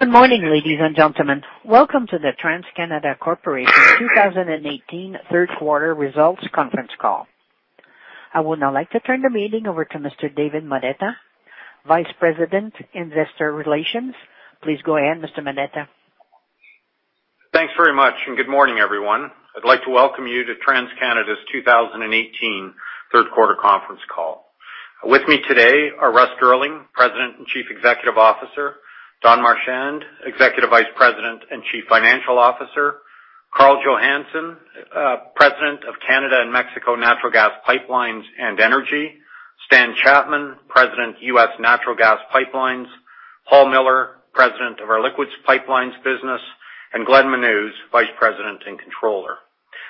Good morning, ladies and gentlemen. Welcome to the TransCanada Corporation 2018 third quarter results conference call. I would now like to turn the meeting over to Mr. David Moneta, Vice President, Investor Relations. Please go ahead, Mr. Moneta. Thanks very much. Good morning, everyone. I'd like to welcome you to TransCanada's 2018 third quarter conference call. With me today are Russ Girling, President and Chief Executive Officer, Don Marchand, Executive Vice President and Chief Financial Officer, Karl Johannson, Executive Vice-President and President, Canadian and Mexico Gas Pipelines and Energy, Stan Chapman, President, U.S. Natural Gas Pipelines, Paul Miller, President, Liquids Pipelines, and Glenn Menuz, Vice-President and Controller.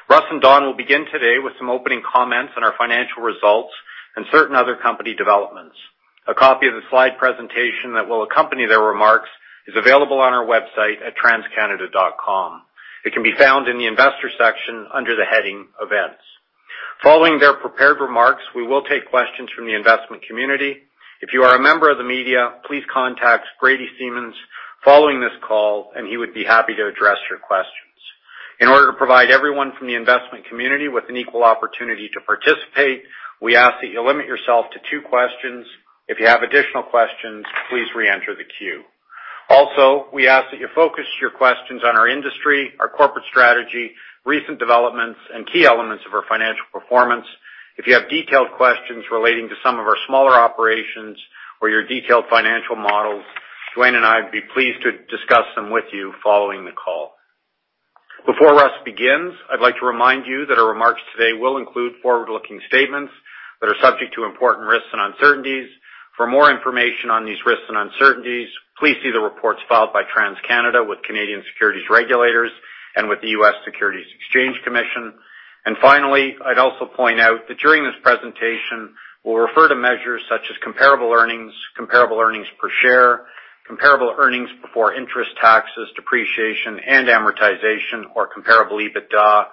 Russ and Don will begin today with some opening comments on our financial results and certain other company developments. A copy of the slide presentation that will accompany their remarks is available on our website at transcanada.com. It can be found in the investor section under the heading Events. Following their prepared remarks, we will take questions from the investment community. If you are a member of the media, please contact Brady Simmons following this call. He would be happy to address your questions. In order to provide everyone from the investment community with an equal opportunity to participate, we ask that you limit yourself to two questions. If you have additional questions, please re-enter the queue. We ask that you focus your questions on our industry, our corporate strategy, recent developments, and key elements of our financial performance. If you have detailed questions relating to some of our smaller operations or your detailed financial models, Duane and I'd be pleased to discuss them with you following the call. Before Russ begins, I'd like to remind you that our remarks today will include forward-looking statements that are subject to important risks and uncertainties. For more information on these risks and uncertainties, please see the reports filed by TransCanada with Canadian securities regulators and with the U.S. Securities and Exchange Commission. Finally, I'd also point out that during this presentation, we'll refer to measures such as comparable earnings, comparable earnings per share, comparable earnings before interest, taxes, depreciation, and amortization, or comparable EBITDA,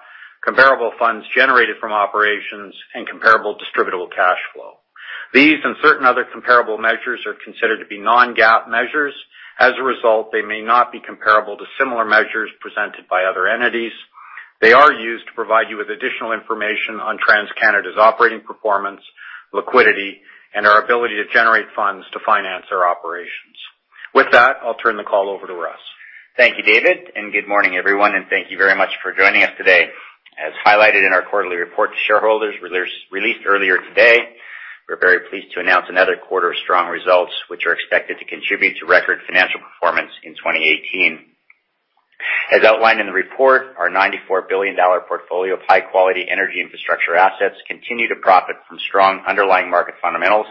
comparable funds generated from operations, and comparable distributable cash flow. These and certain other comparable measures are considered to be non-GAAP measures. As a result, they may not be comparable to similar measures presented by other entities. They are used to provide you with additional information on TransCanada's operating performance, liquidity, and our ability to generate funds to finance our operations. With that, I'll turn the call over to Russ. Thank you, David, and good morning, everyone, and thank you very much for joining us today. As highlighted in our quarterly report to shareholders released earlier today, we're very pleased to announce another quarter of strong results, which are expected to contribute to record financial performance in 2018. As outlined in the report, our 94 billion dollar portfolio of high-quality energy infrastructure assets continue to profit from strong underlying market fundamentals.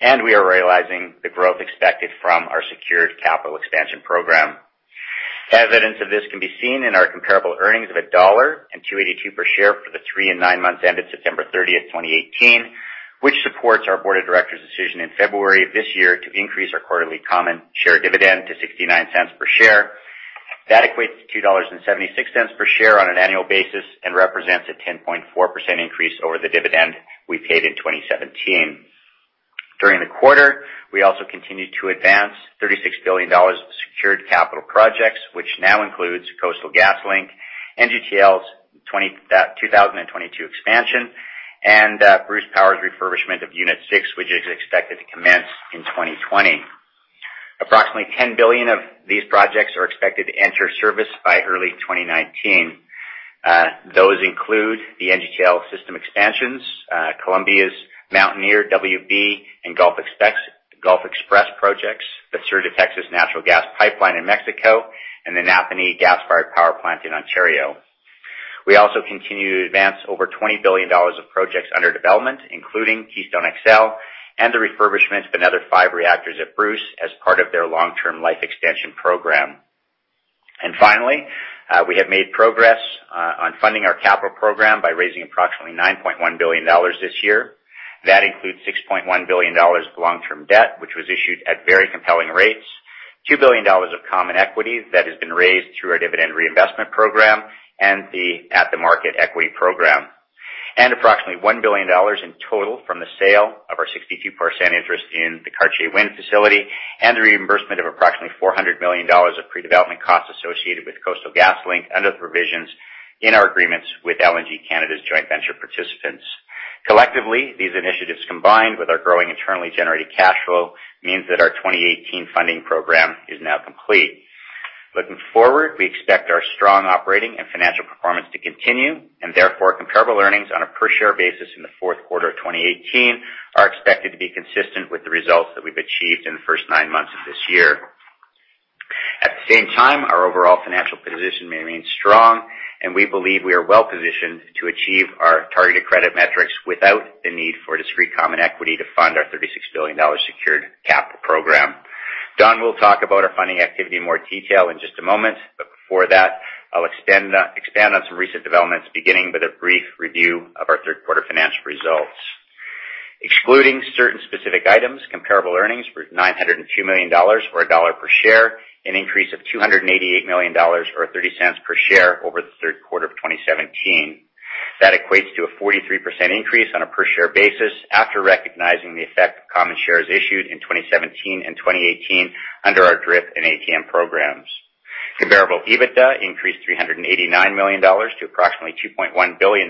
We are realizing the growth expected from our secured capital expansion program. Evidence of this can be seen in our comparable earnings of CAD 1 and 2.82 dollar per share for the three and nine months ended September 30th, 2018, which supports our board of directors' decision in February of this year to increase our quarterly common share dividend to 0.69 per share. That equates to 2.76 per share on an annual basis and represents a 10.4% increase over the dividend we paid in 2017. During the quarter, we also continued to advance 36 billion dollars of secured capital projects, which now includes Coastal GasLink, NGTL's 2022 expansion, and Bruce Power's refurbishment of Unit 6, which is expected to commence in 2020. Approximately 10 billion of these projects are expected to enter service by early 2019. Those include the NGTL system expansions, Columbia's Mountaineer, WB, and Gulf XPress projects, the Sur de Texas natural gas pipeline in Mexico, and the Napanee gas-fired power plant in Ontario. We also continue to advance over 20 billion dollars of projects under development, including Keystone XL and the refurbishments of another five reactors at Bruce as part of their long-term life expansion program. Finally, we have made progress on funding our capital program by raising approximately 9.1 billion dollars this year. That includes $6.1 billion U.S. of long-term debt, which was issued at very compelling rates, 2 billion dollars of common equity that has been raised through our dividend reinvestment program and the at-the-market equity program, and approximately 1 billion dollars in total from the sale of our 62% interest in the Cartier Wind facility and the reimbursement of approximately 400 million dollars of pre-development costs associated with Coastal GasLink under the provisions in our agreements with LNG Canada's joint venture participants. Collectively, these initiatives, combined with our growing internally generated cash flow, means that our 2018 funding program is now complete. Looking forward, we expect our strong operating and financial performance to continue. Therefore, comparable earnings on a per-share basis in the fourth quarter of 2018 are expected to be consistent with the results that we've achieved in the first nine months of this year. At the same time, our overall financial position remains strong. We believe we are well-positioned to achieve our targeted credit metrics without the need for discrete common equity to fund our 36 billion dollars secured capital program. Don will talk about our funding activity in more detail in just a moment. Before that, I'll expand on some recent developments, beginning with a brief review of our third quarter financial results. Excluding certain specific items, comparable earnings were 902 million dollars or CAD 1 per share, an increase of 288 million dollars or 0.30 per share over the third quarter of 2017. That equates to a 43% increase on a per-share basis after recognizing the effect of common shares issued in 2017 and 2018 under our DRIP and ATM programs. Comparable EBITDA increased CAD 389 million to approximately CAD 2.1 billion,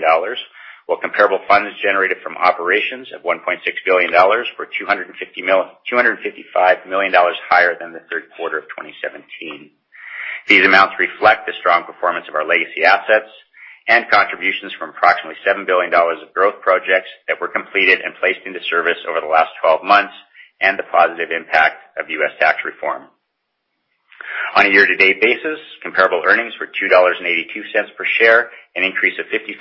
while comparable funds generated from operations of CAD 1.6 billion were CAD 255 million higher than the third quarter of 2017. These amounts reflect the strong performance of our legacy assets and contributions from approximately 7 billion dollars of growth projects that were completed and placed into service over the last 12 months, and the positive impact of U.S. tax reform. On a year-to-date basis, comparable earnings were 2.82 dollars per share, an increase of 0.55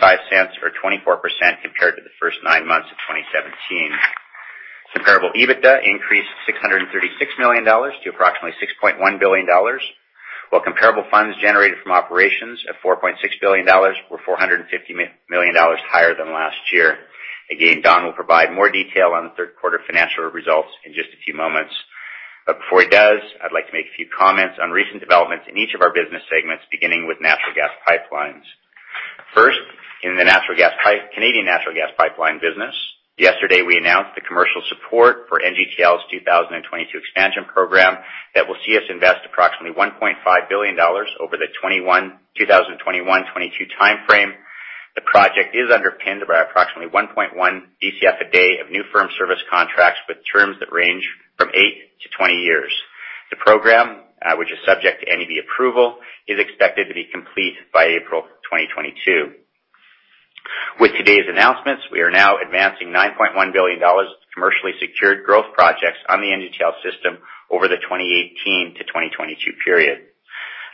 or 24% compared to the first nine months of 2017. Comparable EBITDA increased 636 million dollars to approximately 6.1 billion dollars, while comparable funds generated from operations of 4.6 billion dollars were 450 million dollars higher than last year. Don will provide more detail on the third quarter financial results in just a few moments. Before he does, I'd like to make a few comments on recent developments in each of our business segments, beginning with natural gas pipelines. First, in the Canadian natural gas pipeline business, yesterday, we announced the commercial support for NGTL's 2022 expansion program that will see us invest approximately 1.5 billion dollars over the 2021, 2022 timeframe. The project is underpinned by approximately 1.1 Bcf a day of new firm service contracts with terms that range from eight to 20 years. The program, which is subject to NEB approval, is expected to be complete by April 2022. With today's announcements, we are now advancing 9.1 billion dollars commercially secured growth projects on the NGTL system over the 2018 to 2022 period.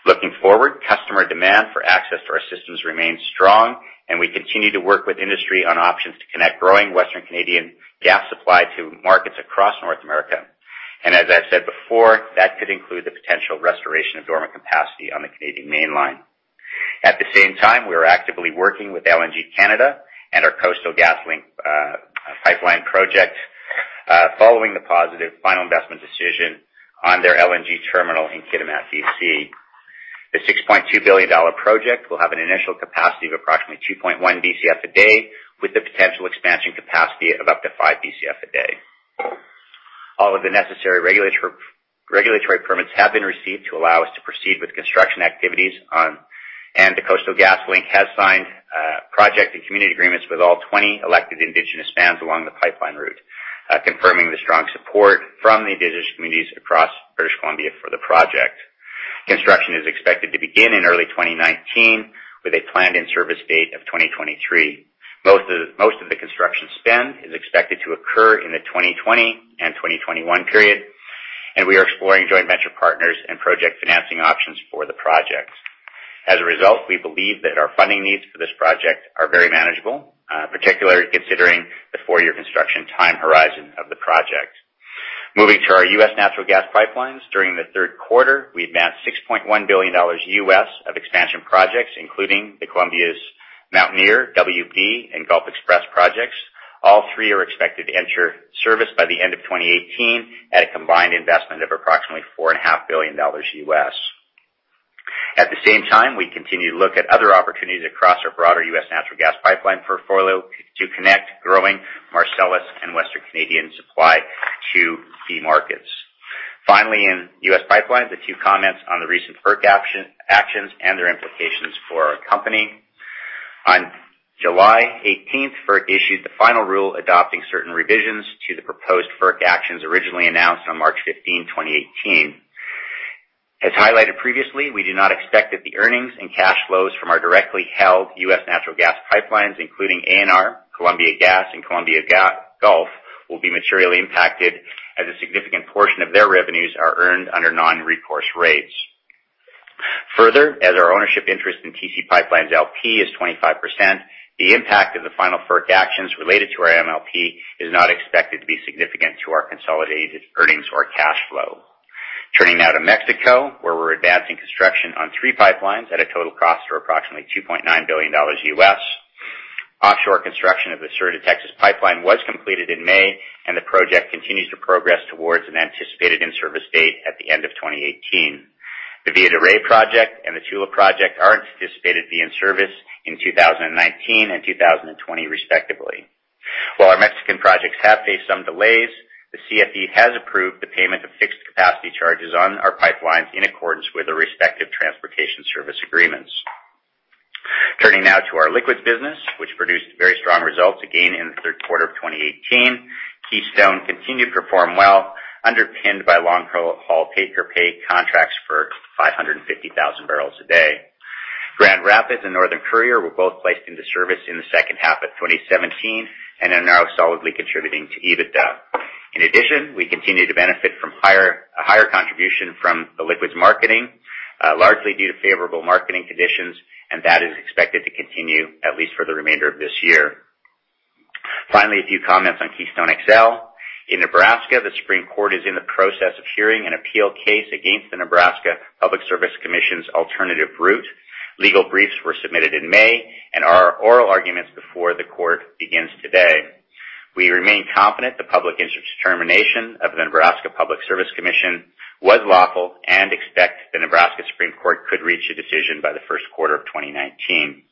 Looking forward, customer demand for access to our systems remains strong, and we continue to work with industry on options to connect growing Western Canadian gas supply to markets across North America. As I said before, that could include the potential restoration of dormant capacity on the Canadian Mainline. At the same time, we are actively working with LNG Canada and our Coastal GasLink pipeline project following the positive final investment decision on their LNG terminal in Kitimat, B.C. The 6.2 billion dollar project will have an initial capacity of approximately 2.1 Bcf a day, with the potential expansion capacity of up to five Bcf a day. All of the necessary regulatory permits have been received to allow us to proceed with construction activities and the Coastal GasLink has signed project and community agreements with all 20 elected indigenous bands along the pipeline route, confirming the strong support from the indigenous communities across British Columbia for the project. Construction is expected to begin in early 2019 with a planned in-service date of 2023. Most of the construction spend is expected to occur in the 2020 and 2021 period, and we are exploring joint venture partners and project financing options for the project. As a result, we believe that our funding needs for this project are very manageable, particularly considering the four-year construction time horizon of the project. Moving to our U.S. natural gas pipelines, during the third quarter, we advanced $6.1 billion U.S. of expansion projects, including the Columbia's Mountaineer XPress, WB XPress, and Gulf XPress projects. All three are expected to enter service by the end of 2018 at a combined investment of approximately $4.5 billion USD. At the same time, we continue to look at other opportunities across our broader U.S. natural gas pipeline portfolio to connect growing Marcellus and Western Canadian supply to key markets. In U.S. pipelines, a few comments on the recent FERC actions and their implications for our company. On July 18th, FERC issued the final rule adopting certain revisions to the proposed FERC actions originally announced on March 15, 2018. As highlighted previously, we do not expect that the earnings and cash flows from our directly held U.S. natural gas pipelines, including ANR, Columbia Gas, and Columbia Gulf, will be materially impacted as a significant portion of their revenues are earned under non-recourse rates. As our ownership interest in TC PipeLines, LP is 25%, the impact of the final FERC actions related to our MLP is not expected to be significant to our consolidated earnings or cash flow. Turning now to Mexico, where we're advancing construction on three pipelines at a total cost of approximately $2.9 billion USD. Offshore construction of the Sur de Texas pipeline was completed in May, and the project continues to progress towards an anticipated in-service date at the end of 2018. The Villa de Reyes project and the Tula project are anticipated to be in service in 2019 and 2020 respectively. While our Mexican projects have faced some delays, the CFE has approved the payment of fixed capacity charges on our pipelines in accordance with the respective transportation service agreements. Turning now to our liquids business, which produced very strong results again in the third quarter of 2018. Keystone continued to perform well, underpinned by long-haul take-or-pay contracts for 550,000 barrels a day. Grand Rapids and Northern Courier were both placed into service in the second half of 2017 and are now solidly contributing to EBITDA. We continue to benefit from a higher contribution from the liquids marketing, largely due to favorable marketing conditions, and that is expected to continue at least for the remainder of this year. A few comments on Keystone XL. In Nebraska, the Supreme Court is in the process of hearing an appeal case against the Nebraska Public Service Commission's alternative route. Legal briefs were submitted in May, and our oral arguments before the court begins today. We remain confident the public interest determination of the Nebraska Public Service Commission was lawful and expect the Nebraska Supreme Court could reach a decision by the first quarter of 2019.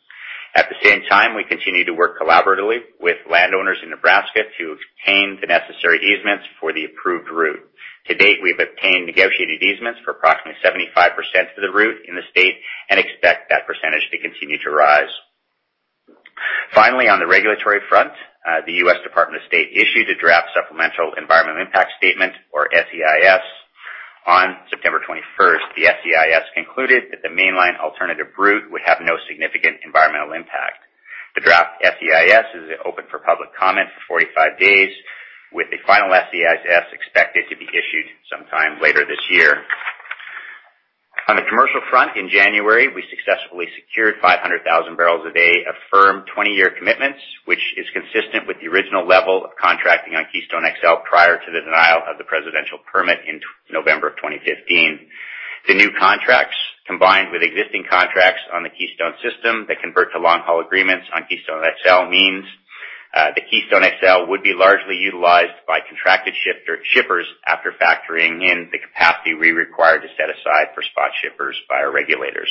We continue to work collaboratively with landowners in Nebraska to obtain the necessary easements for the approved route. To date, we've obtained negotiated easements for approximately 75% of the route in the state and expect that percentage to continue to rise. On the regulatory front, the U.S. Department of State issued a draft supplemental environmental impact statement, or SEIS, on September 21st. The SEIS concluded that the mainline alternative route would have no significant environmental impact. The draft SEIS is open for public comment for 45 days, with a final SEIS expected to be issued sometime later this year. On the commercial front, in January, we successfully secured 500,000 barrels a day of firm 20-year commitments, which is consistent with the original level of contracting on Keystone XL prior to the denial of the presidential permit in November of 2015. The new contracts, combined with existing contracts on the Keystone system that convert to long-haul agreements on Keystone XL, means that Keystone XL would be largely utilized by contracted shippers after factoring in the capacity we require to set aside for spot shippers by our regulators.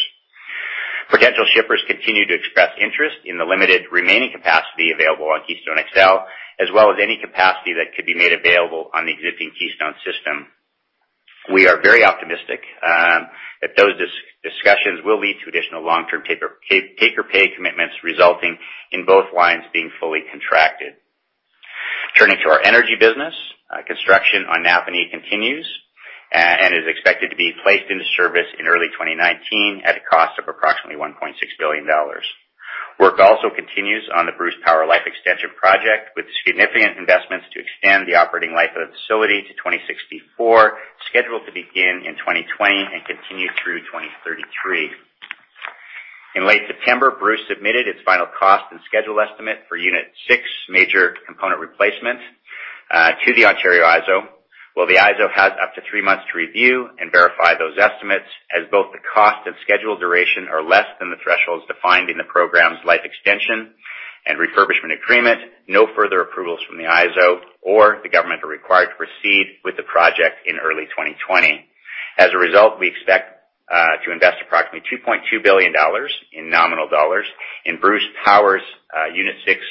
Potential shippers continue to express interest in the limited remaining capacity available on Keystone XL, as well as any capacity that could be made available on the existing Keystone system. We are very optimistic that those discussions will lead to additional long-term take-or-pay commitments, resulting in both lines being fully contracted. Turning to our energy business, construction on Napanee continues and is expected to be placed into service in early 2019 at a cost of approximately 1.6 billion dollars. Work also continues on the Bruce Power Life Extension project, with significant investments to extend the operating life of the facility to 2064, scheduled to begin in 2020 and continue through 2033. In late September, Bruce submitted its final cost and schedule estimate for Unit 6 major component replacements to the Ontario IESO. While the IESO has up to three months to review and verify those estimates, as both the cost and schedule duration are less than the thresholds defined in the program's life extension and refurbishment agreement, no further approvals from the IESO or the government are required to proceed with the project in early 2020. As a result, we expect to invest approximately 2.2 billion dollars in nominal dollars in Bruce Power's Unit 6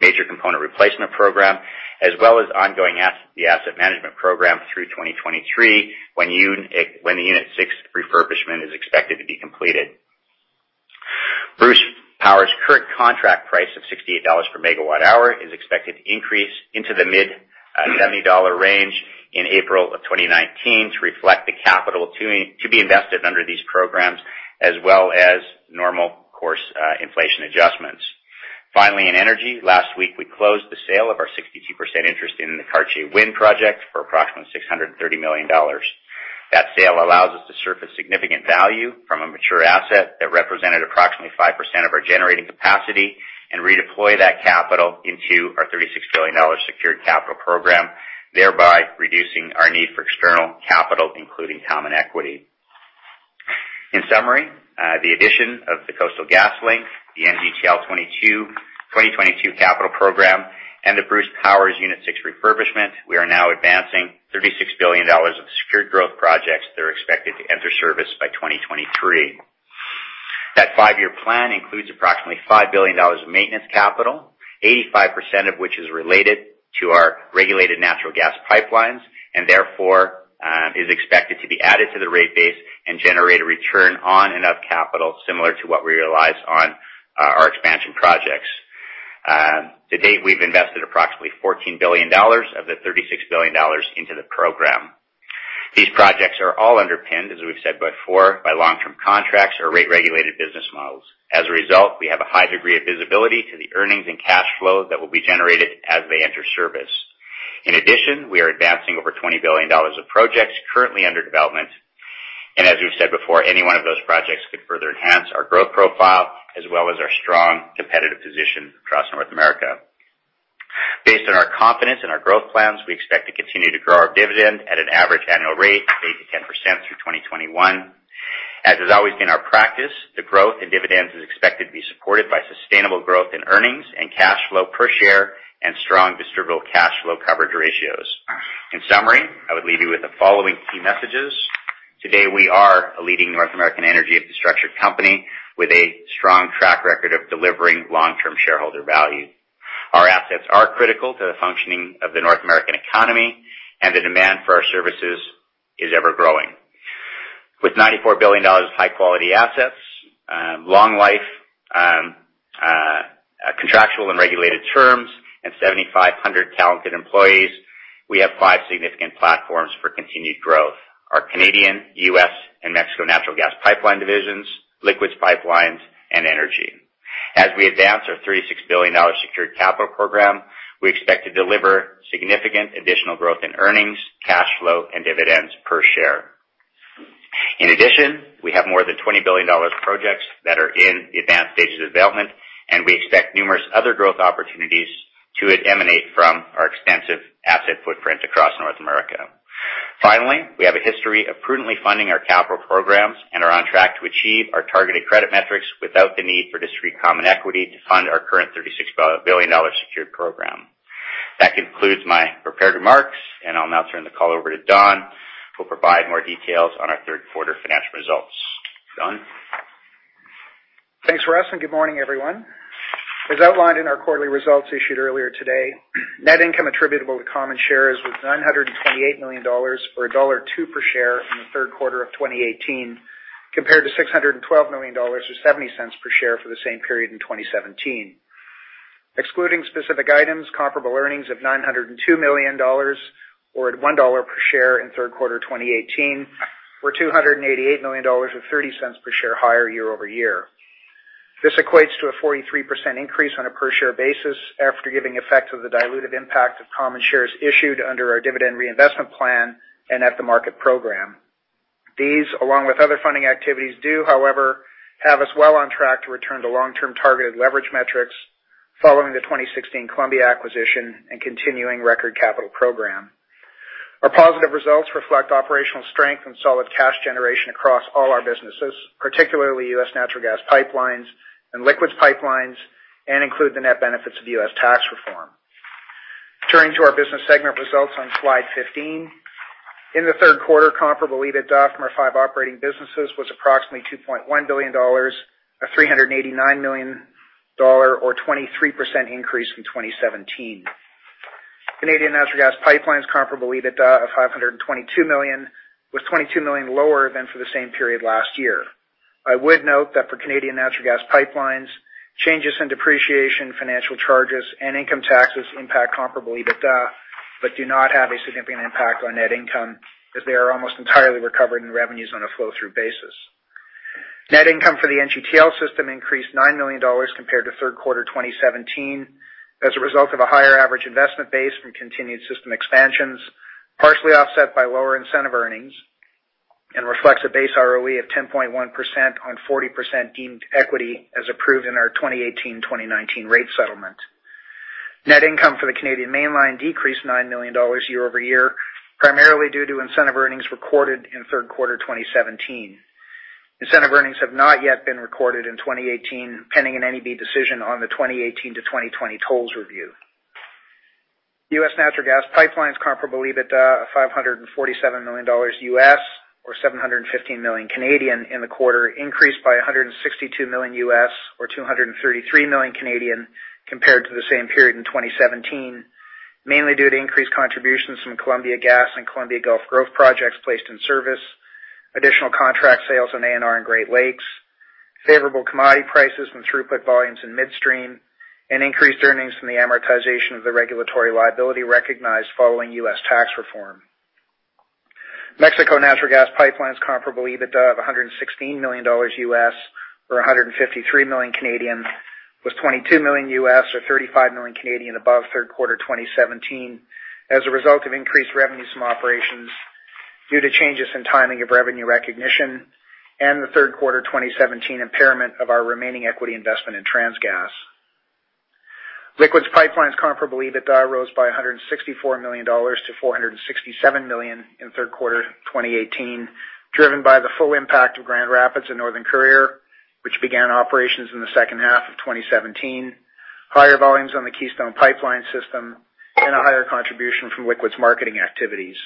major component replacement program, as well as ongoing asset management program through 2023, when the Unit 6 refurbishment is expected to be completed. Bruce Power's current contract price of 68 dollars per megawatt hour is expected to increase into the mid-CAD 70 range in April of 2019 to reflect the capital to be invested under these programs, as well as normal course inflation adjustments. Finally, in energy, last week, we closed the sale of our 62% interest in the Cartier Wind project for approximately 630 million dollars. That sale allows us to surface significant value from a mature asset that represented approximately 5% of our generating capacity and redeploy that capital into our 36 billion dollar secured capital program, thereby reducing our need for external capital, including common equity. In summary, the addition of the Coastal GasLink, the NGTL 2022 capital program, and the Bruce Power's Unit 6 refurbishment, we are now advancing 36 billion dollars of secured growth projects that are expected to enter service by 2023. That five-year plan includes approximately 5 billion dollars of maintenance capital, 85% of which is related to our regulated natural gas pipelines, and therefore, is expected to be added to the rate base and generate a return on and of capital, similar to what we realize on our expansion projects. To date, we've invested approximately 14 billion dollars of the 36 billion dollars into the program. These projects are all underpinned, as we've said before, by long-term contracts or rate-regulated business models. As a result, we have a high degree of visibility to the earnings and cash flow that will be generated as they enter service. In addition, we are advancing over 20 billion dollars of projects currently under development, and as we've said before, any one of those projects could further enhance our growth profile as well as our strong competitive position across North America. Based on our confidence in our growth plans, we expect to continue to grow our dividend at an average annual rate of 8%-10% through 2021. As has always been our practice, the growth in dividends is expected to be supported by sustainable growth in earnings and cash flow per share and strong distributable cash flow coverage ratios. In summary, I would leave you with the following key messages. Today, we are a leading North American energy infrastructure company with a strong track record of delivering long-term shareholder value. Our assets are critical to the functioning of the North American economy. The demand for our services is ever-growing. With 94 billion dollars of high-quality assets, long life, contractual and regulated terms, and 7,500 talented employees, we have five significant platforms for continued growth: our Canadian, U.S., and Mexico natural gas pipeline divisions, Liquids Pipelines, and Energy. As we advance our 36 billion dollars secured capital program, we expect to deliver significant additional growth in earnings, cash flow, and dividends per share. We have more than 20 billion dollars of projects that are in the advanced stages of development, and we expect numerous other growth opportunities to emanate from our extensive. We have a history of prudently funding our capital programs and are on track to achieve our targeted credit metrics without the need for discrete common equity to fund our current 36 billion dollar secured program. That concludes my prepared remarks. I'll now turn the call over to Don, who'll provide more details on our third quarter financial results. Don? Thanks, Russ. Good morning, everyone. As outlined in our quarterly results issued earlier today, net income attributable to common shares was 928 million dollars, or dollar 1.02 per share in the third quarter of 2018, compared to 612 million dollars or 0.70 per share for the same period in 2017. Excluding specific items, comparable earnings of 902 million dollars or at 1 dollar per share in third quarter 2018, were 288 million dollars, or 0.30 per share higher year-over-year. This equates to a 43% increase on a per-share basis after giving effect to the diluted impact of common shares issued under our dividend reinvestment plan and at-the-market program. These, along with other funding activities, do, however, have us well on track to return to long-term targeted leverage metrics following the 2016 Columbia acquisition and continuing record capital program. Our positive results reflect operational strength and solid cash generation across all our businesses, particularly U.S. natural gas pipelines and Liquids Pipelines. Include the net benefits of U.S. tax reform. Turning to our business segment results on slide 15. In the third quarter, comparable EBITDA from our five operating businesses was approximately 2.1 billion dollars, a 389 million dollar or 23% increase from 2017. Canadian natural gas pipelines comparable EBITDA of 522 million, was 22 million lower than for the same period last year. I would note that for Canadian natural gas pipelines, changes in depreciation, financial charges, and income taxes impact comparable EBITDA, but do not have a significant impact on net income, as they are almost entirely recovered in revenues on a flow-through basis. Net income for the NGTL system increased 9 million dollars compared to third quarter 2017 as a result of a higher average investment base from continued system expansions, partially offset by lower incentive earnings, and reflects a base ROE of 10.1% on 40% deemed equity as approved in our 2018-2019 rate settlement. Net income for the Canadian Mainline decreased 9 million dollars year-over-year, primarily due to incentive earnings recorded in third quarter 2017. Incentive earnings have not yet been recorded in 2018, pending an NEB decision on the 2018 to 2020 tolls review. U.S. natural gas pipelines comparable EBITDA of $547 million U.S., or 715 million in the quarter, increased by $162 million U.S., or 233 million compared to the same period in 2017, mainly due to increased contributions from Columbia Gas and Columbia Gulf growth projects placed in service, additional contract sales on ANR and Great Lakes, favorable commodity prices from throughput volumes in midstream, and increased earnings from the amortization of the regulatory liability recognized following U.S. tax reform. Mexico natural gas pipelines comparable EBITDA of $116 million U.S., or 153 million Canadian dollars, was $22 million U.S., or 35 million Canadian dollars above third quarter 2017 as a result of increased revenues from operations due to changes in timing of revenue recognition and the third quarter 2017 impairment of our remaining equity investment in TransGas. Liquids pipelines comparable EBITDA rose by 164 million dollars to 467 million in third quarter 2018, driven by the full impact of Grand Rapids and Northern Courier, which began operations in the second half of 2017, higher volumes on the Keystone Pipeline system, and a higher contribution from liquids marketing activities.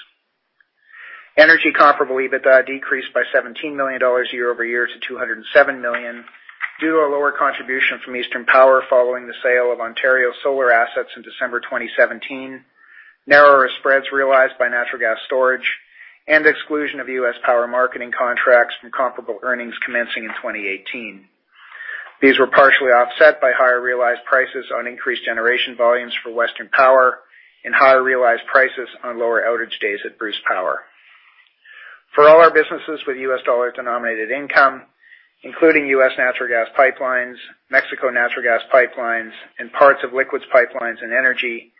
Energy comparable EBITDA decreased by 17 million dollars year-over-year to 207 million due to a lower contribution from Eastern Power following the sale of Ontario solar assets in December 2017, narrower spreads realized by natural gas storage, and exclusion of U.S. power marketing contracts from comparable earnings commencing in 2018. These were partially offset by higher realized prices on increased generation volumes for Western Power and higher realized prices on lower outage days at Bruce Power. For all our businesses with U.S. dollar-denominated income, including U.S. natural gas pipelines, Mexico natural gas pipelines, and parts of liquids pipelines and energy,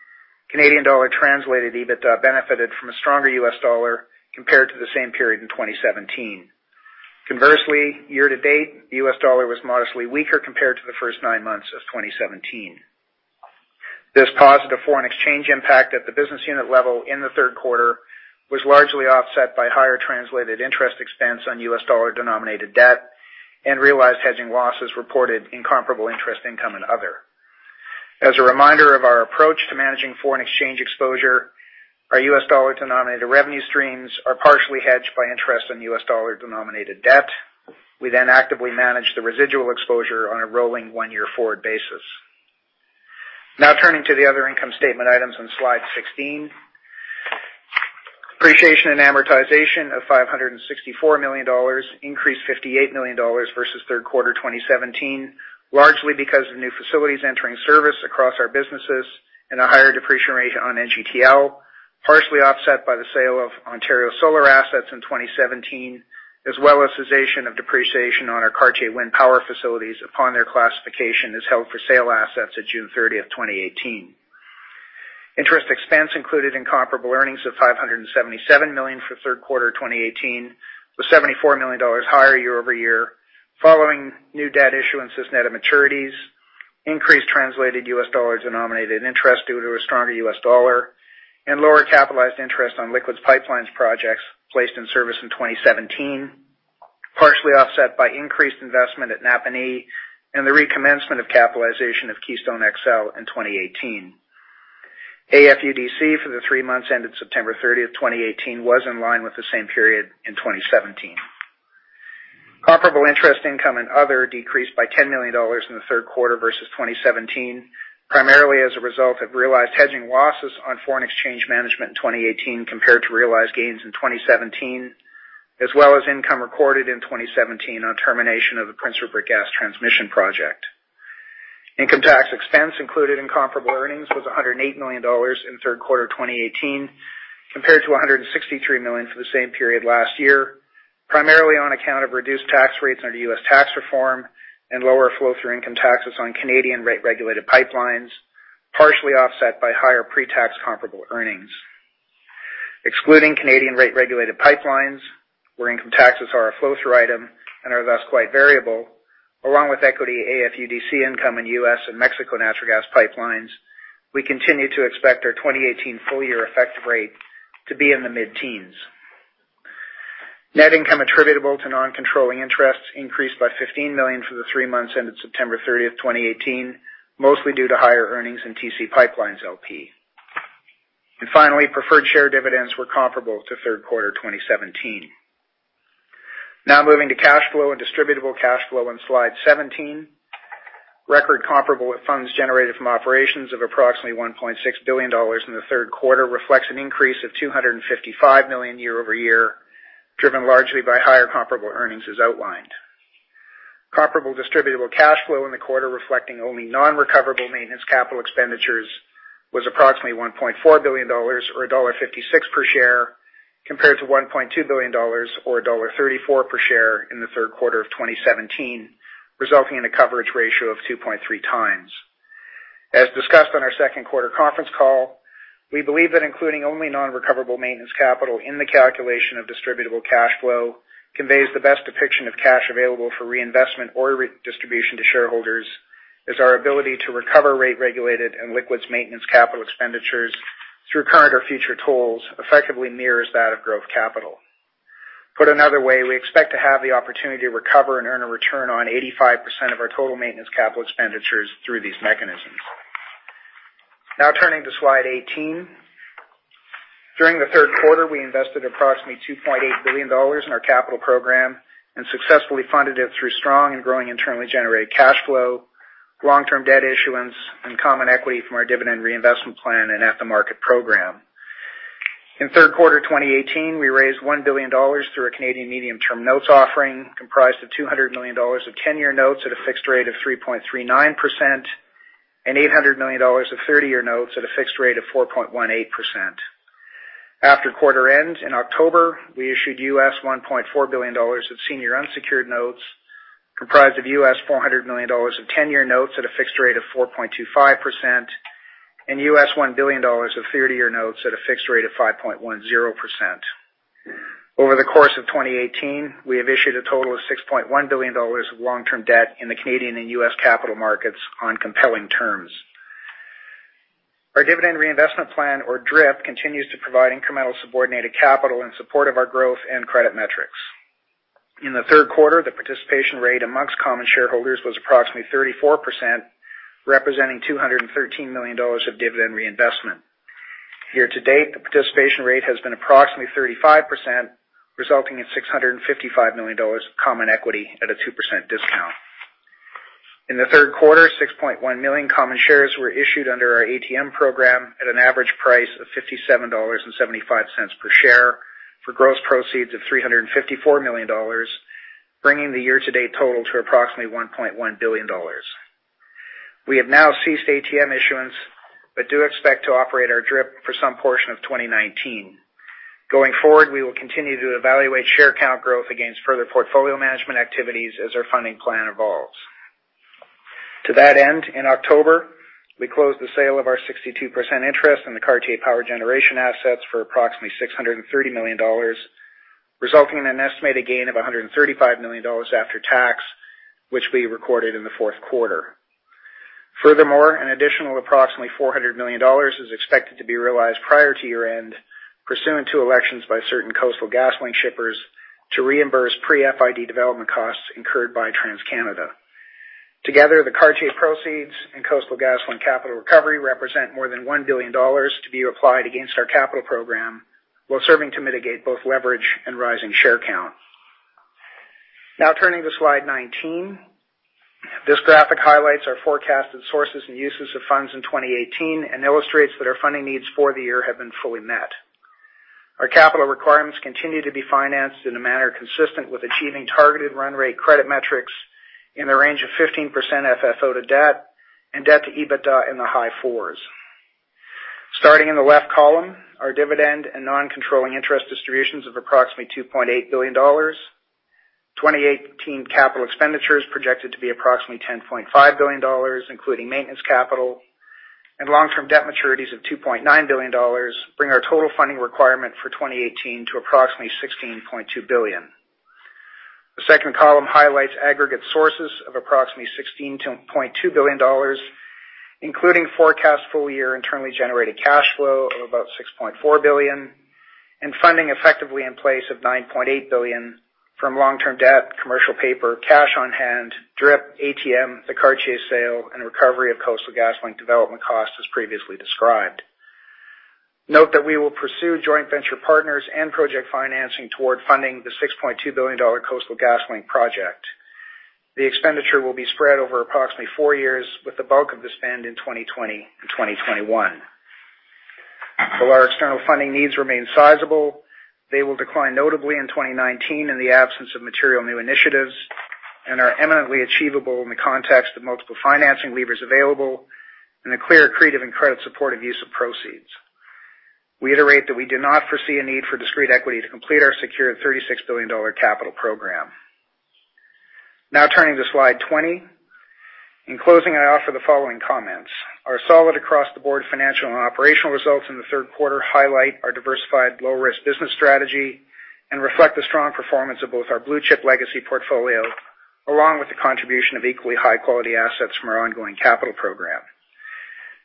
Canadian dollar-translated EBITDA benefited from a stronger U.S. dollar compared to the same period in 2017. Conversely, year-to-date, U.S. dollar was modestly weaker compared to the first nine months of 2017. This positive foreign exchange impact at the business unit level in the third quarter was largely offset by higher translated interest expense on U.S. dollar-denominated debt and realized hedging losses reported in comparable interest income and other. As a reminder of our approach to managing foreign exchange exposure, our U.S. dollar-denominated revenue streams are partially hedged by interest on U.S. dollar-denominated debt. We then actively manage the residual exposure on a rolling one-year forward basis. Now turning to the other income statement items on slide 16. Depreciation and amortization of 564 million dollars increased 58 million dollars versus third quarter 2017, largely because of new facilities entering service across our businesses and a higher depreciation rate on NGTL, partially offset by the sale of Ontario solar assets in 2017, as well as cessation of depreciation on our Cartier wind power facilities upon their classification as held-for-sale assets at June 30th, 2018. Interest expense included in comparable earnings of 577 million for third quarter 2018, was 74 million dollars higher year-over-year following new debt issuances net of maturities. Increased translated U.S. dollar-denominated interest due to a stronger U.S. dollar and lower capitalized interest on liquids pipelines projects placed in service in 2017, partially offset by increased investment at Napanee and the recommencement of capitalization of Keystone XL in 2018. AFUDC for the three months ended September 30, 2018, was in line with the same period in 2017. Comparable interest income and other decreased by 10 million dollars in the third quarter versus 2017, primarily as a result of realized hedging losses on foreign exchange management in 2018 compared to realized gains in 2017, as well as income recorded in 2017 on termination of the Prince Rupert Gas Transmission project. Income tax expense included in comparable earnings was 108 million dollars in third quarter 2018, compared to 163 million for the same period last year, primarily on account of reduced tax rates under U.S. tax reform and lower flow-through income taxes on Canadian rate-regulated pipelines, partially offset by higher pre-tax comparable earnings. Excluding Canadian rate-regulated pipelines, where income taxes are a flow-through item and are thus quite variable, along with equity AFUDC income in U.S. and Mexico natural gas pipelines, we continue to expect our 2018 full-year effective rate to be in the mid-teens. Net income attributable to non-controlling interests increased by 15 million for the three months ended September 30, 2018, mostly due to higher earnings in TC PipeLines, LP. Finally, preferred share dividends were comparable to third quarter 2017. Now moving to cash flow and distributable cash flow on slide 17. Record comparable funds generated from operations of approximately 1.6 billion dollars in the third quarter reflects an increase of 255 million year-over-year, driven largely by higher comparable earnings as outlined. Comparable distributable cash flow in the quarter reflecting only non-recoverable maintenance capital expenditures was approximately 1.4 billion dollars, or dollar 1.56 per share, compared to 1.2 billion dollars or dollar 1.34 per share in the third quarter of 2017, resulting in a coverage ratio of 2.3 times. As discussed on our second quarter conference call, we believe that including only non-recoverable maintenance capital in the calculation of distributable cash flow conveys the best depiction of cash available for reinvestment or distribution to shareholders as our ability to recover rate regulated and liquids maintenance capital expenditures through current or future tolls effectively mirrors that of growth capital. Put another way, we expect to have the opportunity to recover and earn a return on 85% of our total maintenance capital expenditures through these mechanisms. Now turning to slide 18. During the third quarter, we invested approximately 2.8 billion dollars in our capital program and successfully funded it through strong and growing internally generated cash flow, long-term debt issuance, and common equity from our dividend reinvestment plan and at-the-market program. In third quarter 2018, we raised 1 billion dollars through a Canadian medium-term notes offering comprised of 200 million dollars of 10-year notes at a fixed rate of 3.39% and 800 million dollars of 30-year notes at a fixed rate of 4.18%. After quarter end, in October, we issued $1.4 billion of senior unsecured notes comprised of $400 million of 10-year notes at a fixed rate of 4.25% and $1 billion of 30-year notes at a fixed rate of 5.10%. Over the course of 2018, we have issued a total of $6.1 billion of long-term debt in the Canadian and U.S. capital markets on compelling terms. Our dividend reinvestment plan, or DRIP, continues to provide incremental subordinated capital in support of our growth and credit metrics. In the third quarter, the participation rate amongst common shareholders was approximately 34%, representing 213 million dollars of dividend reinvestment. Year to date, the participation rate has been approximately 35%, resulting in 655 million dollars of common equity at a 2% discount. In the third quarter, 6.1 million common shares were issued under our ATM program at an average price of 57.75 dollars per share for gross proceeds of 354 million dollars, bringing the year-to-date total to approximately 1.1 billion dollars. We have now ceased ATM issuance. We do expect to operate our DRIP for some portion of 2019. Going forward, we will continue to evaluate share count growth against further portfolio management activities as our funding plan evolves. To that end, in October, we closed the sale of our 62% interest in the Cartier power generation assets for approximately 630 million dollars, resulting in an estimated gain of 135 million dollars after tax, which we recorded in the fourth quarter. Furthermore, an additional approximately 400 million dollars is expected to be realized prior to year-end pursuant to elections by certain Coastal GasLink shippers to reimburse pre-FID development costs incurred by TransCanada. Together, the Cartier proceeds and Coastal GasLink capital recovery represent more than 1 billion dollars to be applied against our capital program while serving to mitigate both leverage and rising share count. Now turning to slide 19. This graphic highlights our forecasted sources and uses of funds in 2018 and illustrates that our funding needs for the year have been fully met. Our capital requirements continue to be financed in a manner consistent with achieving targeted run rate credit metrics in the range of 15% FFO to debt and debt to EBITDA in the high fours. Starting in the left column, our dividend and non-controlling interest distributions of approximately 2.8 billion dollars, 2018 capital expenditures projected to be approximately 10.5 billion dollars, including maintenance capital, and long-term debt maturities of 2.9 billion dollars bring our total funding requirement for 2018 to approximately 16.2 billion. The second column highlights aggregate sources of approximately 16.2 billion dollars, including forecast full-year internally generated cash flow of about 6.4 billion, and funding effectively in place of 9.8 billion from long-term debt, commercial paper, cash on hand, DRIP, ATM, the Cartier sale, and recovery of Coastal GasLink development costs, as previously described. Note that we will pursue joint venture partners and project financing toward funding the 6.2 billion dollar Coastal GasLink project. The expenditure will be spread over approximately four years, with the bulk of the spend in 2020 and 2021. While our external funding needs remain sizable, they will decline notably in 2019 in the absence of material new initiatives, and are eminently achievable in the context of multiple financing levers available, and a clear accretive and credit supportive use of proceeds. We iterate that we do not foresee a need for discrete equity to complete our secured 36 billion dollar capital program. Now turning to slide 20. In closing, I offer the following comments. Our solid across-the-board financial and operational results in the third quarter highlight our diversified low-risk business strategy and reflect the strong performance of both our blue-chip legacy portfolio, along with the contribution of equally high-quality assets from our ongoing capital program.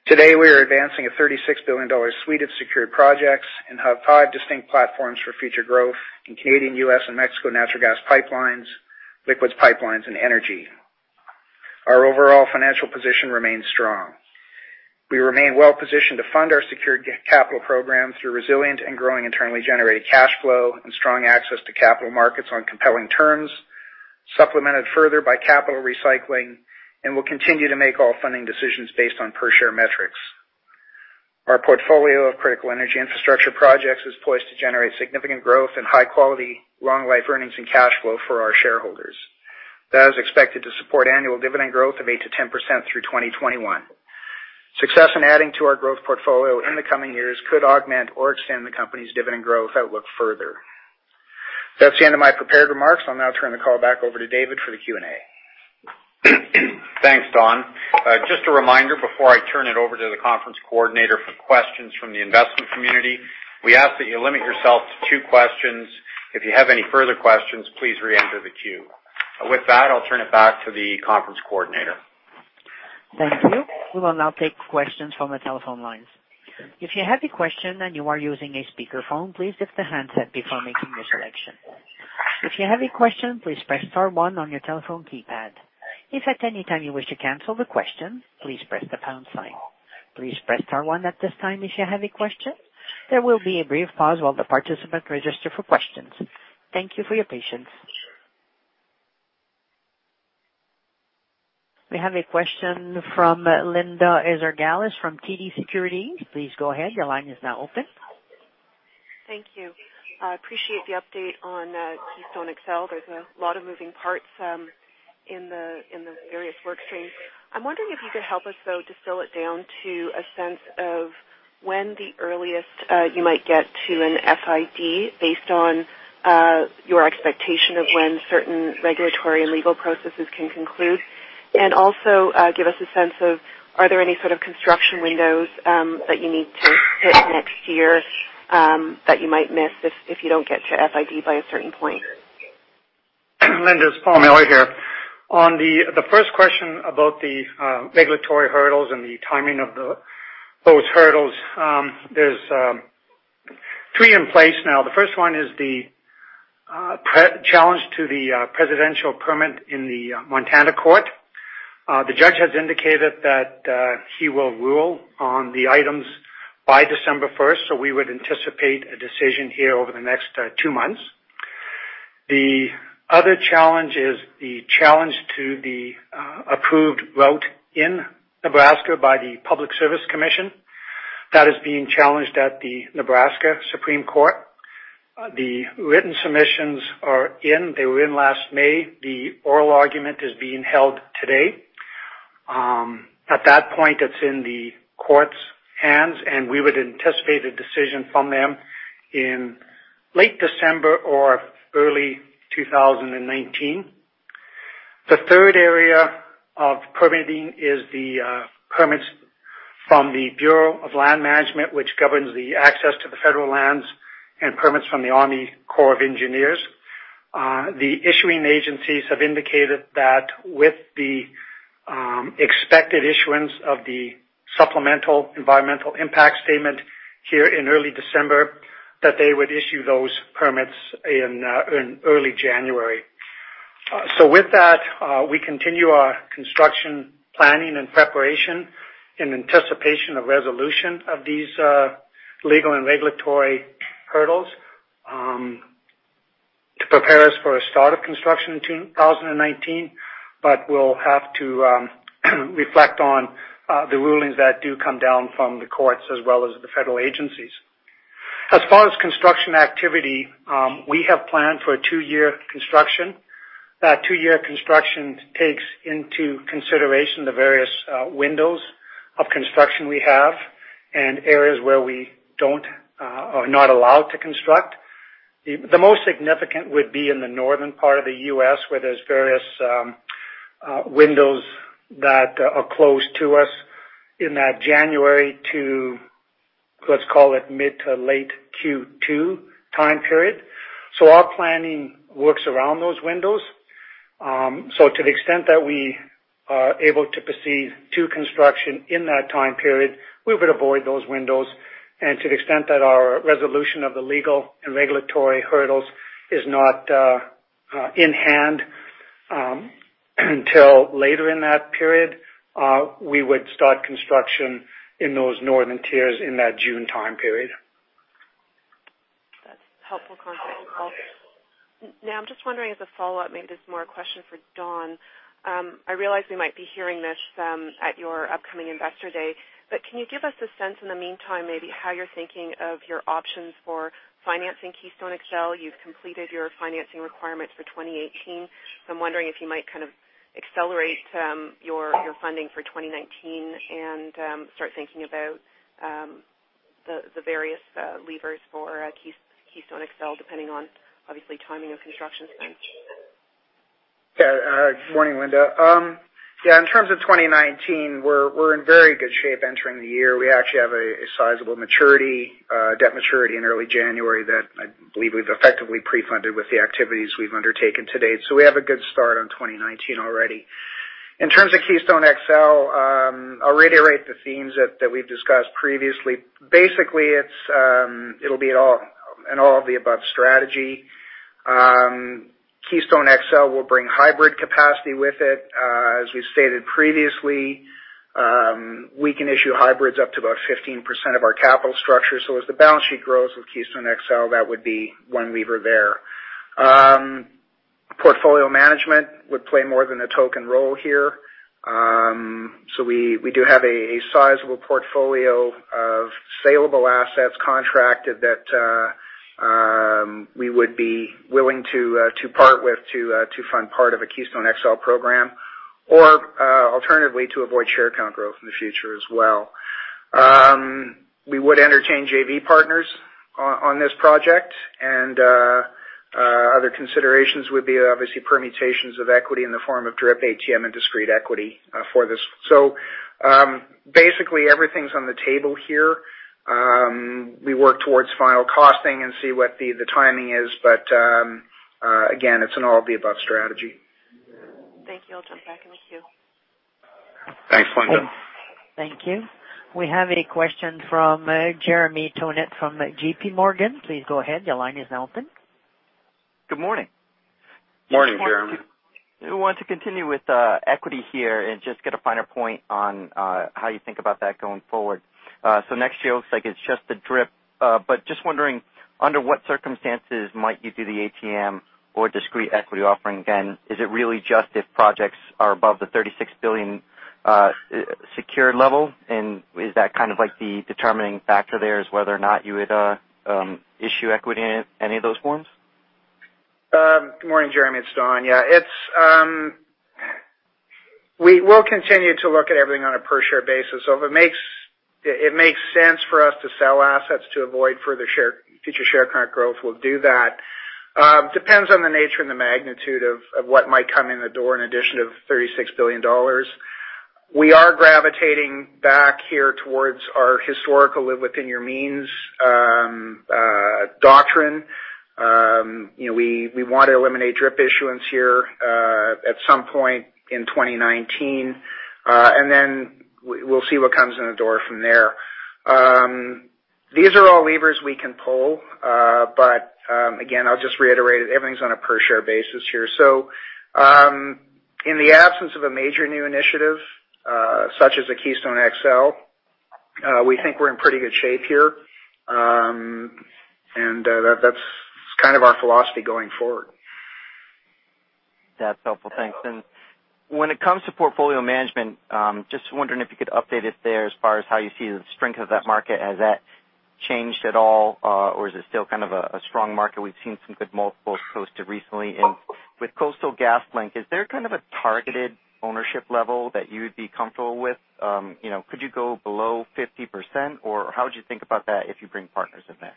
Today, we are advancing a 36 billion dollar suite of secured projects and have five distinct platforms for future growth in Canadian, U.S., and Mexico natural gas pipelines, liquids pipelines, and energy. Our overall financial position remains strong. We remain well-positioned to fund our secured capital programs through resilient and growing internally generated cash flow and strong access to capital markets on compelling terms, supplemented further by capital recycling, and we will continue to make all funding decisions based on per-share metrics. Our portfolio of critical energy infrastructure projects is poised to generate significant growth and high-quality, long-life earnings and cash flow for our shareholders. That is expected to support annual dividend growth of 8%-10% through 2021. Success in adding to our growth portfolio in the coming years could augment or extend the company's dividend growth outlook further. That's the end of my prepared remarks. I will now turn the call back over to David for the Q&A. Thanks, Don. Just a reminder before I turn it over to the conference coordinator for questions from the investment community, we ask that you limit yourself to two questions. If you have any further questions, please reenter the queue. With that, I will turn it back to the conference coordinator. Thank you. We will now take questions from the telephone lines. If you have a question and you are using a speakerphone, please lift the handset before making your selection. If you have a question, please press star one on your telephone keypad. If at any time you wish to cancel the question, please press the pound sign. Please press star one at this time if you have a question. There will be a brief pause while the participant register for questions. Thank you for your patience. We have a question from Linda Ezergailis from TD Securities. Please go ahead. Your line is now open. Thank you. I appreciate the update on Keystone XL. There's a lot of moving parts in the various work streams. I'm wondering if you could help us, though, distill it down to a sense of when the earliest you might get to an FID based on your expectation of when certain regulatory and legal processes can conclude, and also give us a sense of, are there any sort of construction windows that you need to hit next year that you might miss if you don't get to FID by a certain point? Linda, it's Paul Miller here. On the first question about the regulatory hurdles and the timing of those hurdles, there's three in place now. The first one is the challenge to the presidential permit in the Montana court. The judge has indicated that he will rule on the items by December 1st. We would anticipate a decision here over the next two months. The other challenge is the challenge to the approved route in Nebraska by the Nebraska Public Service Commission. That is being challenged at the Nebraska Supreme Court. The written submissions are in. They were in last May. The oral argument is being held today. At that point, it's in the court's hands. We would anticipate a decision from them in late December or early 2019. The third area of permitting is the permits from the Bureau of Land Management, which governs the access to the federal lands, and permits from the Army Corps of Engineers. The issuing agencies have indicated that with the expected issuance of the supplemental environmental impact statement here in early December, that they would issue those permits in early January. With that, we continue our construction planning and preparation in anticipation of resolution of these legal and regulatory hurdles to prepare us for a start of construction in 2019. We'll have to reflect on the rulings that do come down from the courts as well as the federal agencies. As far as construction activity, we have planned for a two-year construction. That two-year construction takes into consideration the various windows of construction we have and areas where we are not allowed to construct. The most significant would be in the northern part of the U.S., where there's various windows that are closed to us in that January to let's call it mid to late Q2 time period. Our planning works around those windows. To the extent that we are able to proceed to construction in that time period, we would avoid those windows. To the extent that our resolution of the legal and regulatory hurdles is not in hand, until later in that period, we would start construction in those northern tiers in that June time period. That's helpful context. I'm just wondering as a follow-up, maybe this is more a question for Don. I realize we might be hearing this at your upcoming investor day, but can you give us a sense in the meantime, maybe how you're thinking of your options for financing Keystone XL? You've completed your financing requirements for 2018. I'm wondering if you might kind of accelerate your funding for 2019 and start thinking about the various levers for Keystone XL, depending on obviously timing of construction spend. Good morning, Linda. In terms of 2019, we're in very good shape entering the year. We actually have a sizable debt maturity in early January that I believe we've effectively pre-funded with the activities we've undertaken to date. We have a good start on 2019 already. In terms of Keystone XL, I'll reiterate the themes that we've discussed previously. Basically, it'll be an all of the above strategy. Keystone XL will bring hybrid capacity with it. As we've stated previously, we can issue hybrids up to about 15% of our capital structure. As the balance sheet grows with Keystone XL, that would be one lever there. Portfolio management would play more than a token role here. We do have a sizable portfolio of saleable assets contracted that we would be willing to part with to fund part of a Keystone XL program or alternatively, to avoid share count growth in the future as well. We would entertain JV partners on this project and other considerations would be obviously permutations of equity in the form of DRIP, ATM, and discrete equity for this. Basically, everything's on the table here. We work towards final costing and see what the timing is. Again, it's an all of the above strategy. Thank you. I'll jump back in the queue. Thanks, Linda. Thank you. We have a question from Jeremy Tonet from J.P. Morgan. Please go ahead. Your line is now open. Good morning. Morning, Jeremy. Want to continue with equity here and just get a finer point on how you think about that going forward. Next year looks like it's just the DRIP, but just wondering, under what circumstances might you do the ATM or discrete equity offering again? Is it really just if projects are above the 36 billion secured level? Is that kind of like the determining factor there is whether or not you would issue equity in any of those forms? Good morning, Jeremy, it's Don. Yeah. We'll continue to look at everything on a per share basis. If it makes sense for us to sell assets to avoid future share count growth, we'll do that. Depends on the nature and the magnitude of what might come in the door in addition of 36 billion dollars. We are gravitating back here towards our historical live within your means doctrine. We want to eliminate DRIP issuance here at some point in 2019. Then we'll see what comes in the door from there. These are all levers we can pull. Again, I'll just reiterate it, everything's on a per share basis here. In the absence of a major new initiative, such as the Keystone XL, we think we're in pretty good shape here. That's kind of our philosophy going forward. That's helpful. Thanks. When it comes to portfolio management, just wondering if you could update us there as far as how you see the strength of that market. Has that changed at all or is it still kind of a strong market? We've seen some good multiples posted recently. With Coastal GasLink, is there kind of a targeted ownership level that you would be comfortable with? Could you go below 50% or how would you think about that if you bring partners in there?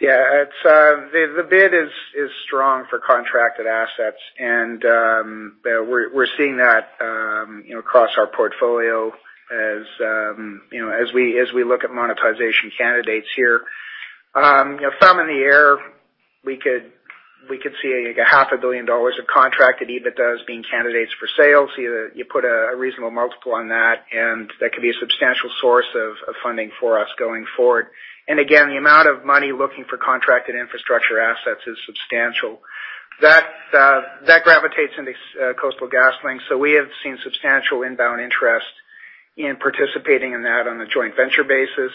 Yeah. The bid is strong for contracted assets, and we're seeing that across our portfolio as we look at monetization candidates here. Thumb in the air, we could see a half a billion CAD of contracted EBITDA as being candidates for sales. You put a reasonable multiple on that, and that could be a substantial source of funding for us going forward. Again, the amount of money looking for contracted infrastructure assets is substantial. That gravitates into Coastal GasLink. We have seen substantial inbound interest in participating in that on a joint venture basis.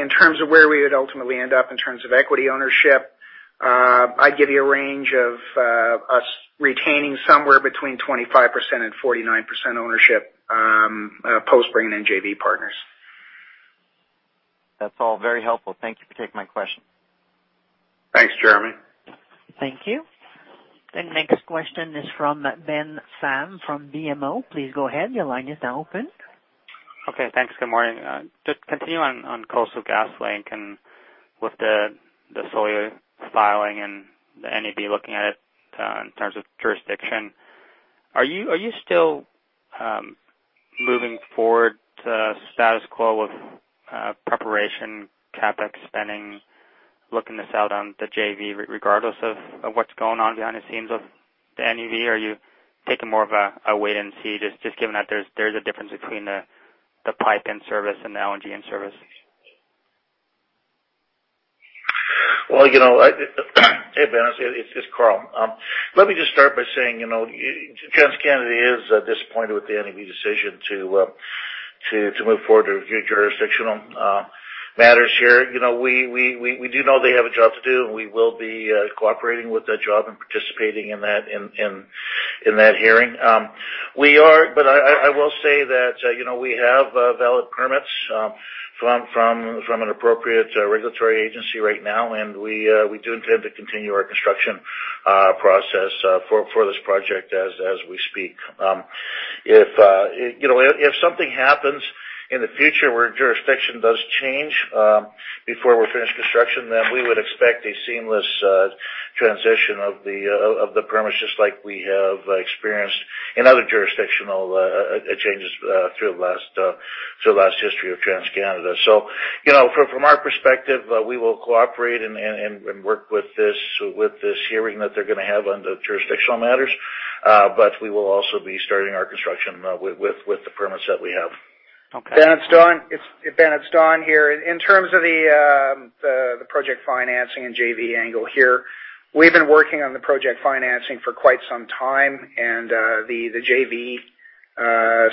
In terms of where we would ultimately end up in terms of equity ownership, I'd give you a range of us retaining somewhere between 25%-49% ownership, post bringing in JV partners. That's all very helpful. Thank you for taking my question. Thanks, Jeremy. Thank you. The next question is from Ben Pham from BMO. Please go ahead. Your line is now open. Okay. Thanks. Good morning. Continue on Coastal GasLink and with the SOEA filing and the NEB looking at it in terms of jurisdiction. Are you still moving forward to status quo of preparation, CapEx spending, looking to sell down the JV regardless of what's going on behind the scenes of the NEB? Are you taking more of a wait and see, just given that there's a difference between the pipe in service and the LNG in service? Well, hey, Ben, it's Karl. Let me just start by saying, TransCanada is disappointed with the NEB decision to move forward with jurisdictional matters here. We do know they have a job to do, and we will be cooperating with that job and participating in that hearing. I will say that we have valid permits from an appropriate regulatory agency right now, and we do intend to continue our construction process for this project as we speak. If something happens in the future where jurisdiction does change before we're finished construction, we would expect a seamless transition of the permits, just like we have experienced in other jurisdictional changes through the last history of TransCanada. From our perspective, we will cooperate and work with this hearing that they're going to have on the jurisdictional matters. We will also be starting our construction with the permits that we have. Okay. Ben, it's Don here. In terms of the project financing and JV angle here, we've been working on the project financing for quite some time, and the JV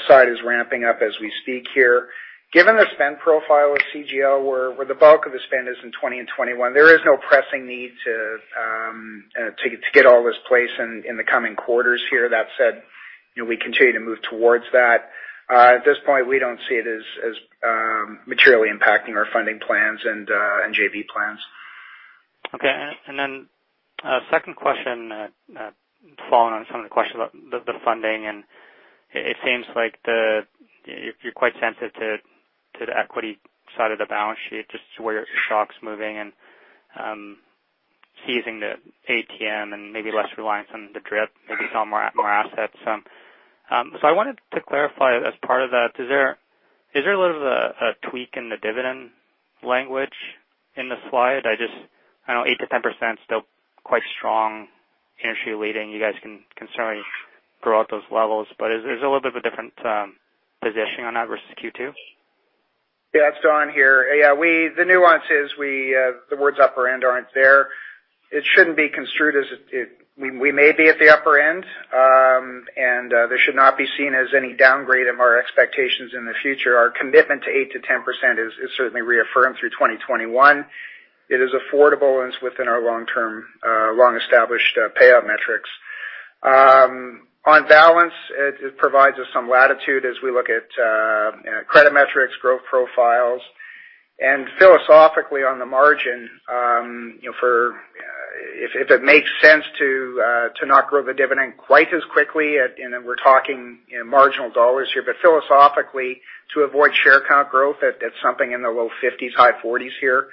side is ramping up as we speak here. Given the spend profile of CGL, where the bulk of the spend is in 2020 and 2021, there is no pressing need to get all this placed in the coming quarters here. That said, we continue to move towards that. At this point, we don't see it as materially impacting our funding plans and JV plans. Okay. Then a second question following on some of the questions about the funding. It seems like you're quite sensitive to the equity side of the balance sheet, just to where your stock's moving and seizing the ATM and maybe less reliance on the DRIP, maybe sell more assets. I wanted to clarify as part of that, is there a little bit of a tweak in the dividend language in the slide? I know 8%-10% is still quite strong, industry-leading. You guys can certainly grow at those levels. Is there a little bit of a different positioning on that versus Q2? It's Don here. The nuance is the words upper end aren't there. It shouldn't be construed as We may be at the upper end, and this should not be seen as any downgrade of our expectations in the future. Our commitment to 8%-10% is certainly reaffirmed through 2021. It is affordable, and it's within our long-term, long-established payout metrics. On balance, it provides us some latitude as we look at credit metrics, growth profiles, and philosophically on the margin, if it makes sense to not grow the dividend quite as quickly, and then we're talking marginal dollars here, but philosophically, to avoid share count growth at something in the low 50s, high 40s here.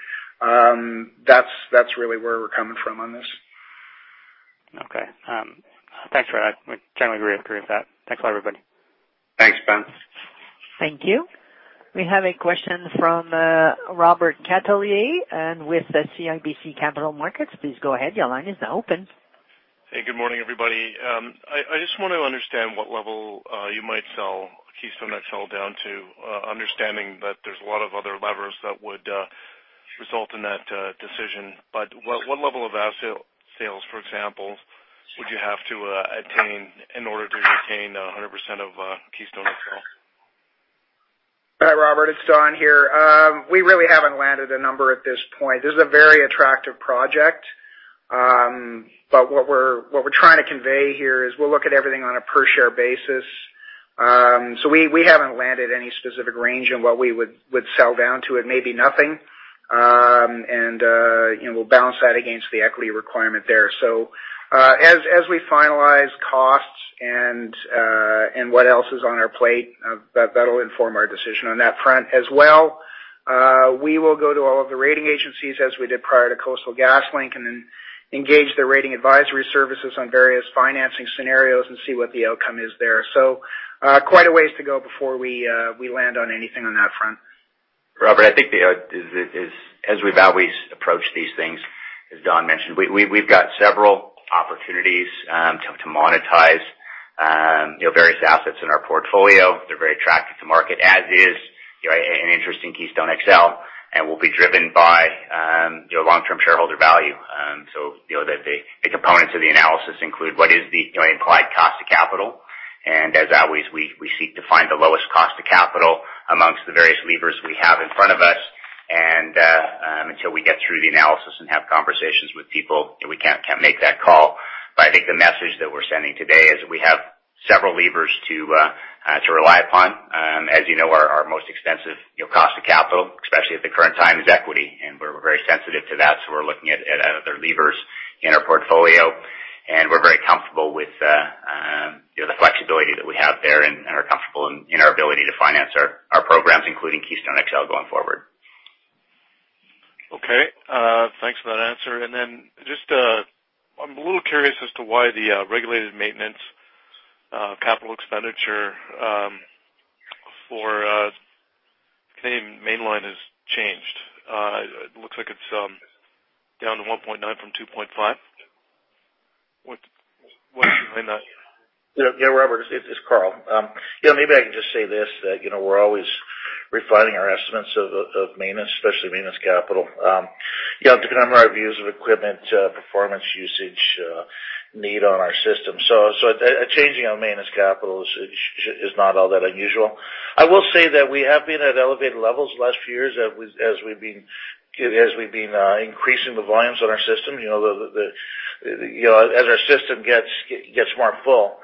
That's really where we're coming from on this. Okay. Thanks for that. I generally agree with that. Thanks a lot, everybody. Thanks, Ben. Thank you. We have a question from Robert Catellier with CIBC Capital Markets. Please go ahead. Your line is now open. Hey, good morning, everybody. I just want to understand what level you might sell Keystone XL down to, understanding that there's a lot of other levers that would result in that decision. What level of asset sales, for example, would you have to attain in order to retain 100% of Keystone XL? Hi, Robert. It's Don here. We really haven't landed a number at this point. This is a very attractive project. What we're trying to convey here is we'll look at everything on a per-share basis. We haven't landed any specific range in what we would sell down to. It may be nothing. We'll balance that against the equity requirement there. As we finalize costs and what else is on our plate, that'll inform our decision on that front as well. We will go to all of the rating agencies as we did prior to Coastal GasLink and then engage their rating advisory services on various financing scenarios and see what the outcome is there. Quite a ways to go before we land on anything on that front. Robert, I think as we've always approached these things, as Don mentioned, we've got several opportunities to monetize various assets in our portfolio. They're very attractive to market as is. An interest in Keystone XL and will be driven by long-term shareholder value. The components of the analysis include what is the implied cost of capital. As always, we seek to find the lowest cost of capital amongst the various levers we have in front of us. Until we get through the analysis and have conversations with people, we can't make that call. I think the message that we're sending today is that we have several levers to rely upon. As you know, our most expensive cost of capital, especially at the current time, is equity, and we're very sensitive to that. We're looking at other levers in our portfolio, and we're very comfortable with the flexibility that we have there and are comfortable building to finance our programmes i Including Keystone XL going forward. Okay. Thanks for that answer. I'm a little curious as to why the regulated maintenance capital expenditure for Canadian Mainline has changed. It looks like it's down to 1.9 from 2.5. What's behind that? Robert, it's Karl. Maybe I can just say this, that we're always refining our estimates of maintenance, especially maintenance capital. Depending on our views of equipment, performance usage need on our system. A changing on maintenance capital is not all that unusual. I will say that we've been at elevated levels the last few years as we've been increasing the volumes on our system. As our system gets more full,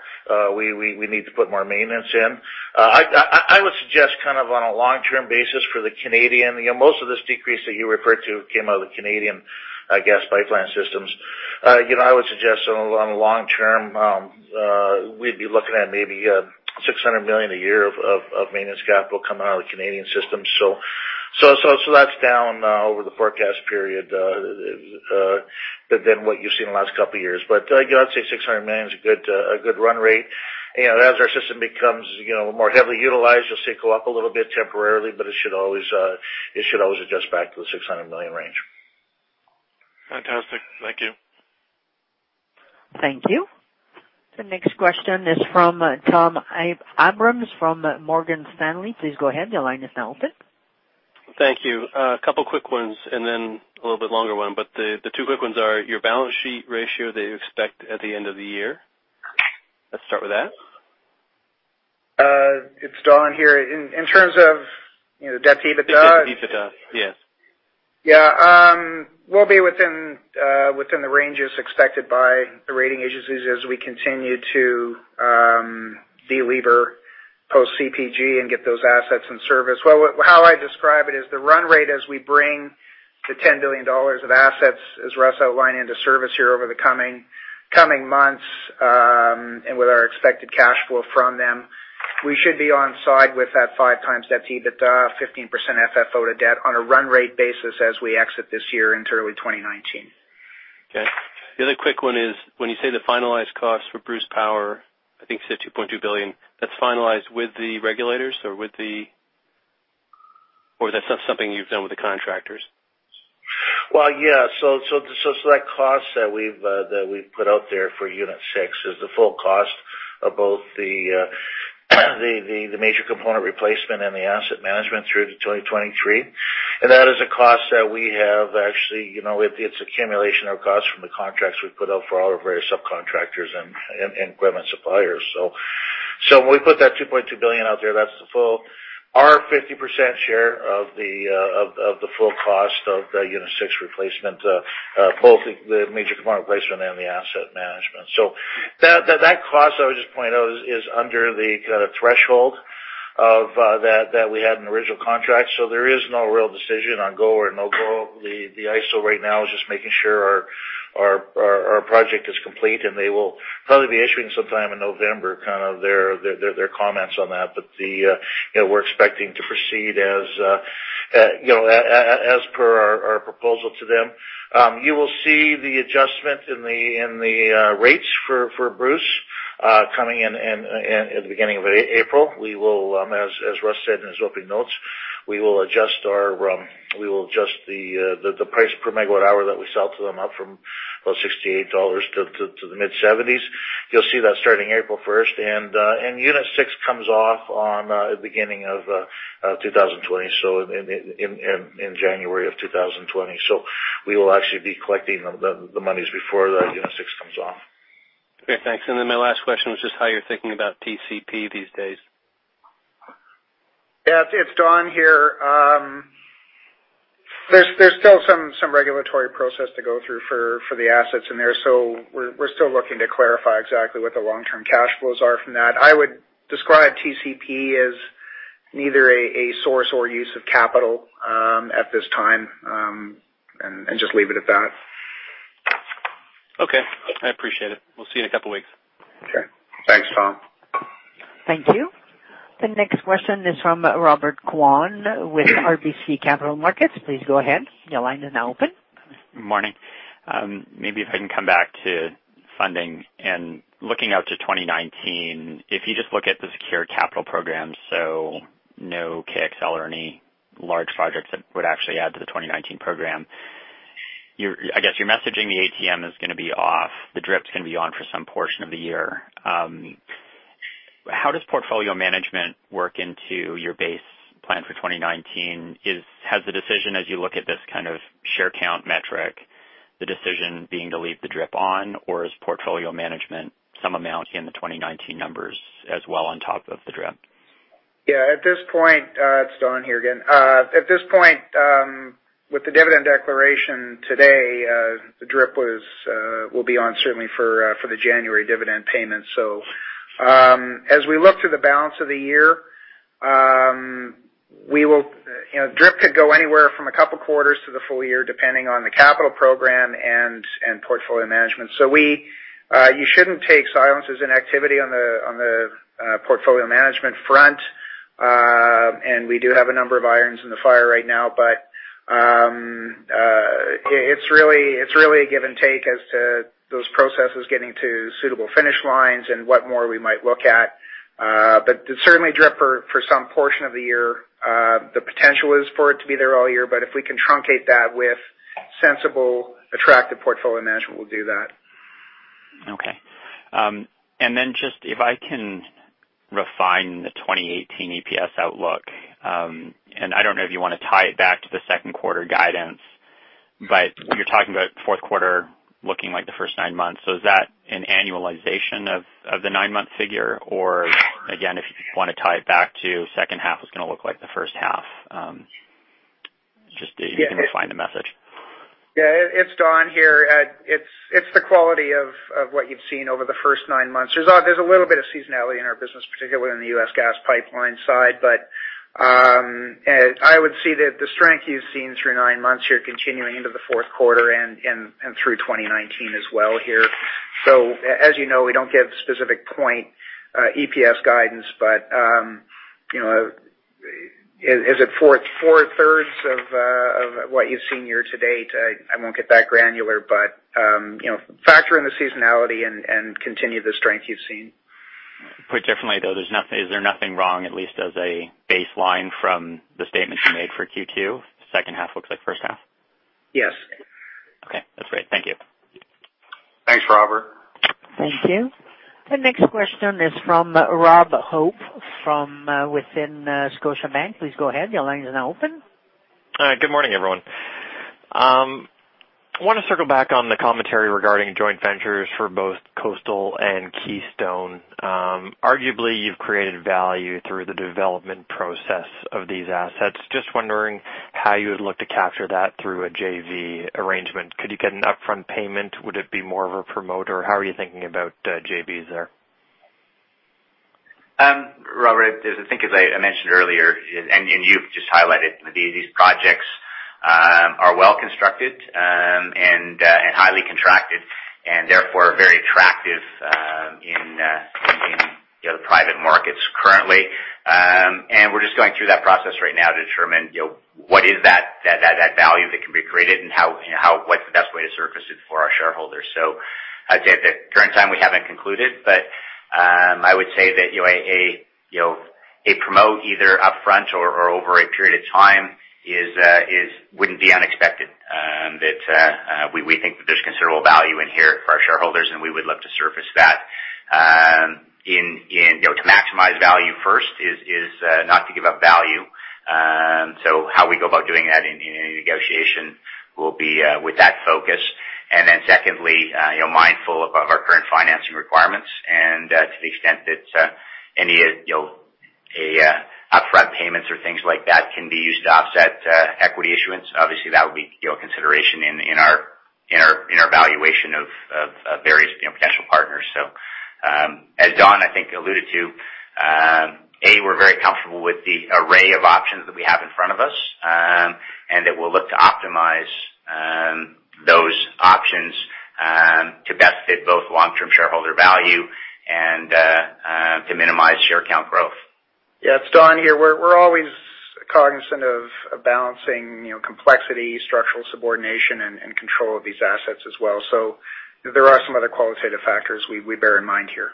we need to put more maintenance in. I would suggest on a long-term basis for the Canadian, most of this decrease that you referred to came out of the Canadian gas pipeline systems. I would suggest on the long term, we'd be looking at maybe 600 million a year of maintenance capital coming out of the Canadian system. That's down over the forecast period than what you've seen in the last couple of years. I'd say 600 million is a good run rate. As our system becomes more heavily utilized, you'll see it go up a little bit temporarily, but it should always adjust back to the 600 million range. Fantastic. Thank you. Thank you. The next question is from Tom Abrams from Morgan Stanley. Please go ahead. Your line is now open. Thank you. A couple quick ones, then a little bit longer one. The two quick ones are your balance sheet ratio that you expect at the end of the year. Let's start with that. It's Don here. In terms of debt to EBITDA? Debt to EBITDA, yes. Yeah. We'll be within the ranges expected by the rating agencies as we continue to delever post CPG and get those assets in service. How I describe it is the run rate as we bring the 10 billion dollars of assets, as Russ outlined, into service here over the coming months, and with our expected cash flow from them. We should be on side with that five times debt to EBITDA, 15% FFO to debt on a run rate basis as we exit this year into early 2019. Okay. The other quick one is when you say the finalized cost for Bruce Power, I think you said 2.2 billion. That's finalized with the regulators or that's not something you've done with the contractors? Well, yeah. That cost that we've put out there for Unit 6 is the full cost of both the major component replacement and the asset management through to 2023. That is a cost that we have actually, it's accumulation of costs from the contracts we put out for all of our various subcontractors and equipment suppliers. When we put that 2.2 billion out there, that's the full, our 50% share of the full cost of the Unit 6 replacement, both the major component replacement and the asset management. That cost, I would just point out, is under the kind of threshold of that we had in the original contract. There is no real decision on go or no-go. The IESO right now is just making sure our project is complete, and they will probably be issuing some time in November kind of their comments on that. We're expecting to proceed as per our proposal to them. You will see the adjustment in the rates for Bruce coming in at the beginning of April. We will, as Russ said in his opening notes, we will adjust the price per megawatt hour that we sell to them up from about 68 dollars to the mid seventies. You'll see that starting April 1st. Unit 6 comes off on the beginning of 2020. In January of 2020. We will actually be collecting the monies before the Unit 6 comes off. Okay, thanks. My last question was just how you're thinking about TCP these days. Yeah, it's Don here. There's still some regulatory process to go through for the assets in there. We're still looking to clarify exactly what the long-term cash flows are from that. I would describe TCP as neither a source or use of capital at this time. Just leave it at that. Okay, I appreciate it. We'll see you in a couple of weeks. Sure. Thanks, Tom. Thank you. The next question is from Robert Kwan with RBC Capital Markets. Please go ahead. Your line is now open. Morning. Maybe if I can come back to funding and looking out to 2019. If you just look at the secure capital program, so no KXL or any large projects that would actually add to the 2019 program. I guess you're messaging the ATM is going to be off, the DRIP's going to be on for some portion of the year. How does portfolio management work into your base plan for 2019? Has the decision, as you look at this kind of share count metric, the decision being to leave the DRIP on, or is portfolio management some amount in the 2019 numbers as well on top of the DRIP? Yeah. It's Don here again. At this point, with the dividend declaration today, the DRIP will be on certainly for the January dividend payment. As we look to the balance of the year, DRIP could go anywhere from a couple of quarters to the full year, depending on the capital program and portfolio management. You shouldn't take silence as an activity on the portfolio management front, and we do have a number of irons in the fire right now, but it's really a give and take as to those processes getting to suitable finish lines and what more we might look at. Certainly, DRIP for some portion of the year. The potential is for it to be there all year, but if we can truncate that with sensible, attractive portfolio management, we'll do that. Okay. Just if I can refine the 2018 EPS outlook, and I don't know if you want to tie it back to the second quarter guidance, but you're talking about fourth quarter looking like the first nine months. Is that an annualization of the nine-month figure? Again, if you want to tie it back to second half is going to look like the first half. Just if you can refine the message. Yeah, it's Don here. It's the quality of what you've seen over the first nine months. There's a little bit of seasonality in our business, particularly in the U.S. gas pipeline side. I would see that the strength you've seen through nine months here continuing into the fourth quarter and through 2019 as well here. As you know, we don't give specific point EPS guidance, but is it four-thirds of what you've seen year to date? I won't get that granular, but factor in the seasonality and continue the strength you've seen. Put differently, is there nothing wrong, at least as a baseline from the statement you made for Q2, second half looks like first half? Yes. Okay. That's great. Thank you. Thanks, Robert. Thank you. The next question is from Robert Hope from within Scotiabank. Please go ahead. Your line is now open. Good morning, everyone. I want to circle back on the commentary regarding joint ventures for both Coastal and Keystone. Arguably, you've created value through the development process of these assets. Just wondering how you would look to capture that through a JV arrangement. Could you get an upfront payment? Would it be more of a promote? How are you thinking about JVs there? Robert, I think as I mentioned earlier, and you've just highlighted, these projects are well-constructed and highly contracted and therefore very attractive in the private markets currently. We're just going through that process right now to determine what is that value that can be created and what's the best way to surface it for our shareholders. I'd say at the current time, we haven't concluded, but I would say that a promote either upfront or over a period of time wouldn't be unexpected. We think that there's considerable value in here for our shareholders, and we would love to surface that. To maximize value first is not to give up value. How we go about doing that in a negotiation will be with that focus. Secondly, mindful of our current financing requirements and to the extent that any upfront payments or things like that can be used to offset equity issuance. Obviously, that would be consideration in our evaluation of various potential partners. As Don, I think, alluded to, we're very comfortable with the array of options that we have in front of us, and that we'll look to optimize those options to best fit both long-term shareholder value and to minimize share count growth. Yeah, it's Don here. We're always cognizant of balancing complexity, structural subordination, and control of these assets as well. There are some other qualitative factors we bear in mind here.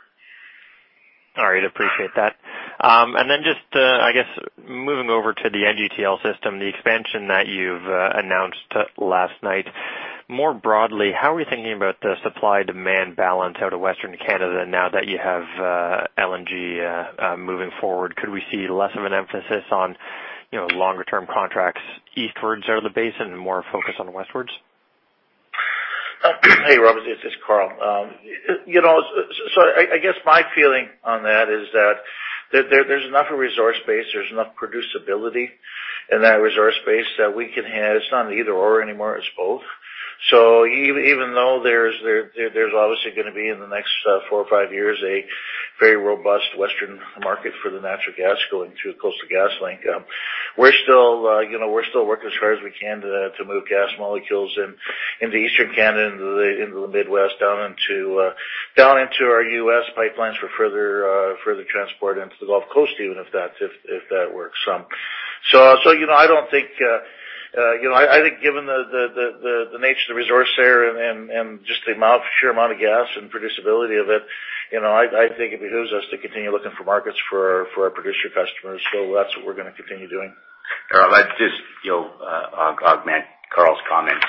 All right. Appreciate that. Then just, I guess, moving over to the NGTL system, the expansion that you've announced last night. More broadly, how are you thinking about the supply-demand balance out of Western Canada now that you have LNG moving forward? Could we see less of an emphasis on longer-term contracts eastwards out of the basin and more focus on westwards? Hey, Robert, this is Karl. I guess my feeling on that is that there's enough resource base, there's enough producibility in that resource base that it's not either/or anymore, it's both. Even though there's obviously going to be, in the next 4 or 5 years, a very robust Western market for the natural gas going through the Coastal GasLink. We're still working as hard as we can to move gas molecules into Eastern Canada, into the Midwest, down into our U.S. pipelines for further transport into the Gulf Coast, even if that works. I think given the nature of the resource there and just the sheer amount of gas and producibility of it, I think it behooves us to continue looking for markets for our producer customers. That's what we're going to continue doing. Karl, I'll just augment Karl's comments.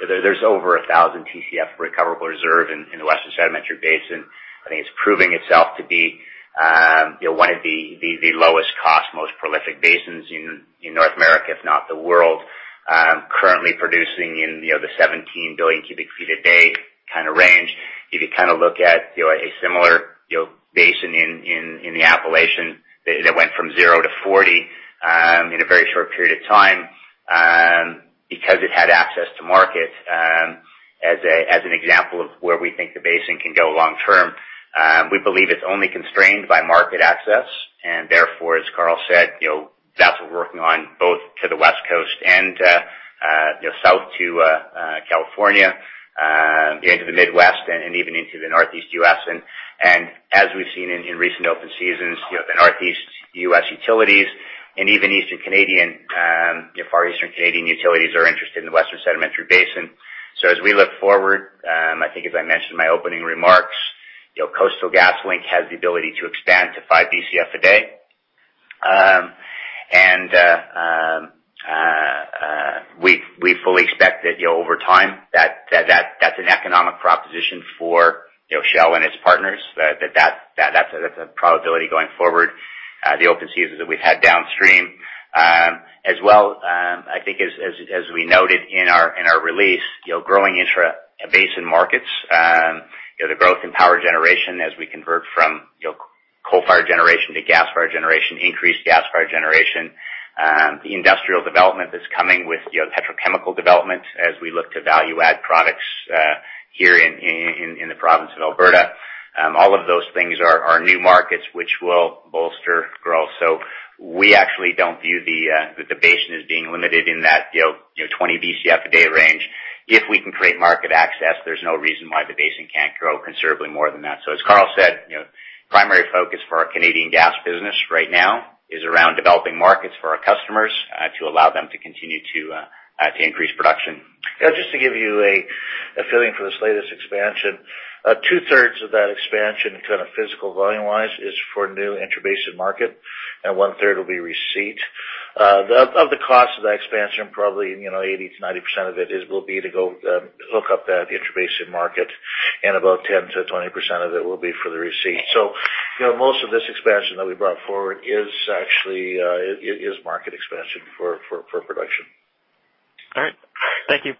There's over 1,000 TCF recoverable reserve in the Western Canadian Sedimentary Basin. I think it's proving itself to be one of the lowest cost, most prolific basins in North America, if not the world. Currently producing in the 17 billion cubic feet a day kind of range. If you look at a similar basin in the Appalachian that went from 0 to 40 in a very short period of time because it had access to market as an example of where we think the basin can go long term. We believe it's only constrained by market access, and therefore, as Karl said, that's what we're working on both to the West Coast and south to California, into the Midwest, and even into the Northeast U.S. As we've seen in recent open seasons, the Northeast U.S. utilities and even far Eastern Canadian utilities are interested in the Western Canadian Sedimentary Basin. As we look forward, I think as I mentioned in my opening remarks, Coastal GasLink has the ability to expand to 5 Bcf a day. We fully expect that over time, that's an economic proposition for Shell and its partners, that's a probability going forward, the open seasons that we've had downstream. As well, I think as we noted in our release, growing intrabasin markets, the growth in power generation as we convert from coal-fired generation to gas-fired generation, increased gas-fired generation. The industrial development that's coming with petrochemical development as we look to value-add products here in the province of Alberta. All of those things are new markets which will bolster growth. We actually don't view that the basin is being limited in that 20 Bcf a day range. If we can create market access, there's no reason why the basin can't grow considerably more than that. As Karl said, primary focus for our Canadian gas business right now is around developing markets for our customers to allow them to continue to increase production. Just to give you a feeling for this latest expansion. Two-thirds of that expansion, physical volume-wise, is for new intrabasin market, and one-third will be receipt. Of the cost of that expansion, probably 80%-90% of it will be to go hook up that intrabasin market, and about 10%-20% of it will be for the receipt. Most of this expansion that we brought forward is actually market expansion for production. All right. Thank you.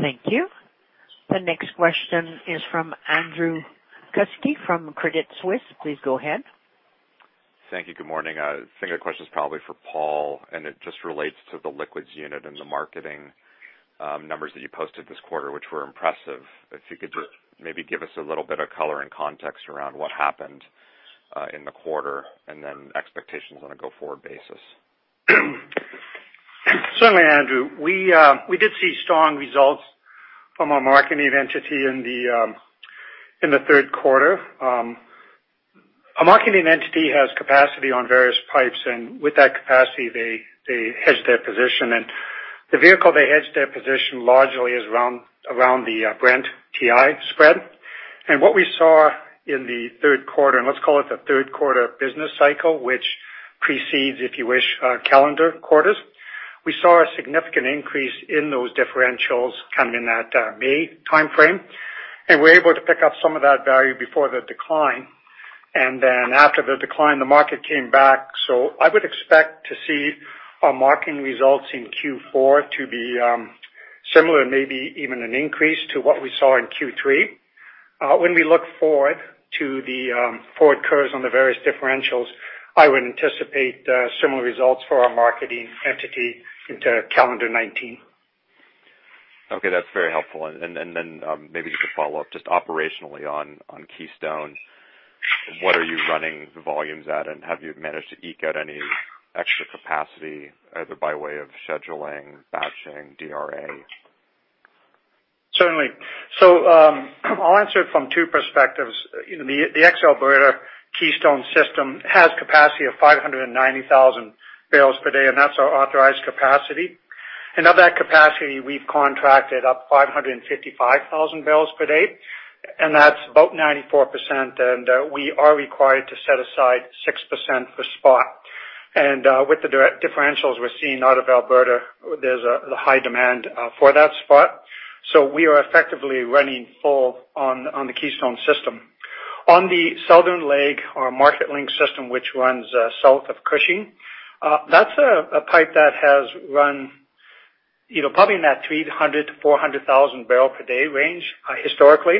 Thank you. The next question is from Andrew Kuske from Credit Suisse. Please go ahead. Thank you. Good morning. I think the question is probably for Paul, and it just relates to the liquids unit and the marketing numbers that you posted this quarter, which were impressive. If you could just maybe give us a little bit of color and context around what happened in the quarter, and then expectations on a go-forward basis. Certainly, Andrew. We did see strong results from our marketing entity in the third quarter. A marketing entity has capacity on various pipes, and with that capacity, they hedge their position. The vehicle they hedge their position largely is around the Brent WTI spread. What we saw in the third quarter, and let's call it the third quarter business cycle, which precedes, if you wish, calendar quarters. We saw a significant increase in those differentials coming in that May timeframe, and we were able to pick up some of that value before the decline. After the decline, the market came back. I would expect to see our marketing results in Q4 to be similar, maybe even an increase to what we saw in Q3. When we look forward to the forward curves on the various differentials, I would anticipate similar results for our marketing entity into calendar 2019. Okay. That's very helpful. Maybe just a follow-up, just operationally on Keystone. What are you running the volumes at, and have you managed to eke out any extra capacity, either by way of scheduling, batching, DRA? Certainly. I'll answer it from two perspectives. The ex Alberta Keystone system has capacity of 590,000 barrels per day, and that's our authorized capacity. Of that capacity, we've contracted up 555,000 barrels per day, and that's about 94%, and we are required to set aside 6% for spot. With the differentials we're seeing out of Alberta, there's a high demand for that spot. We are effectively running full on the Keystone system. On the Southern Leg or MarketLink system, which runs south of Cushing, that's a pipe that has run probably in that 300,000 to 400,000 barrel per day range historically.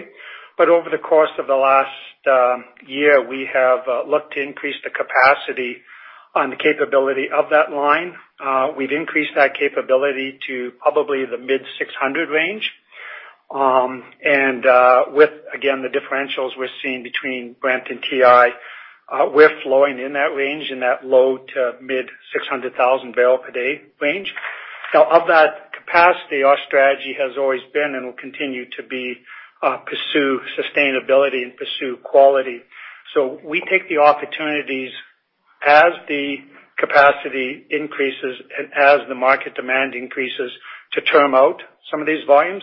Over the course of the last year, we have looked to increase the capacity on the capability of that line. We've increased that capability to probably the mid 600 range. With, again, the differentials we're seeing between Brent WTI, we're flowing in that range, in that low to mid 600,000 barrel per day range. Now, of that capacity, our strategy has always been and will continue to be pursue sustainability and pursue quality. We take the opportunities as the capacity increases and as the market demand increases to term out some of these volumes.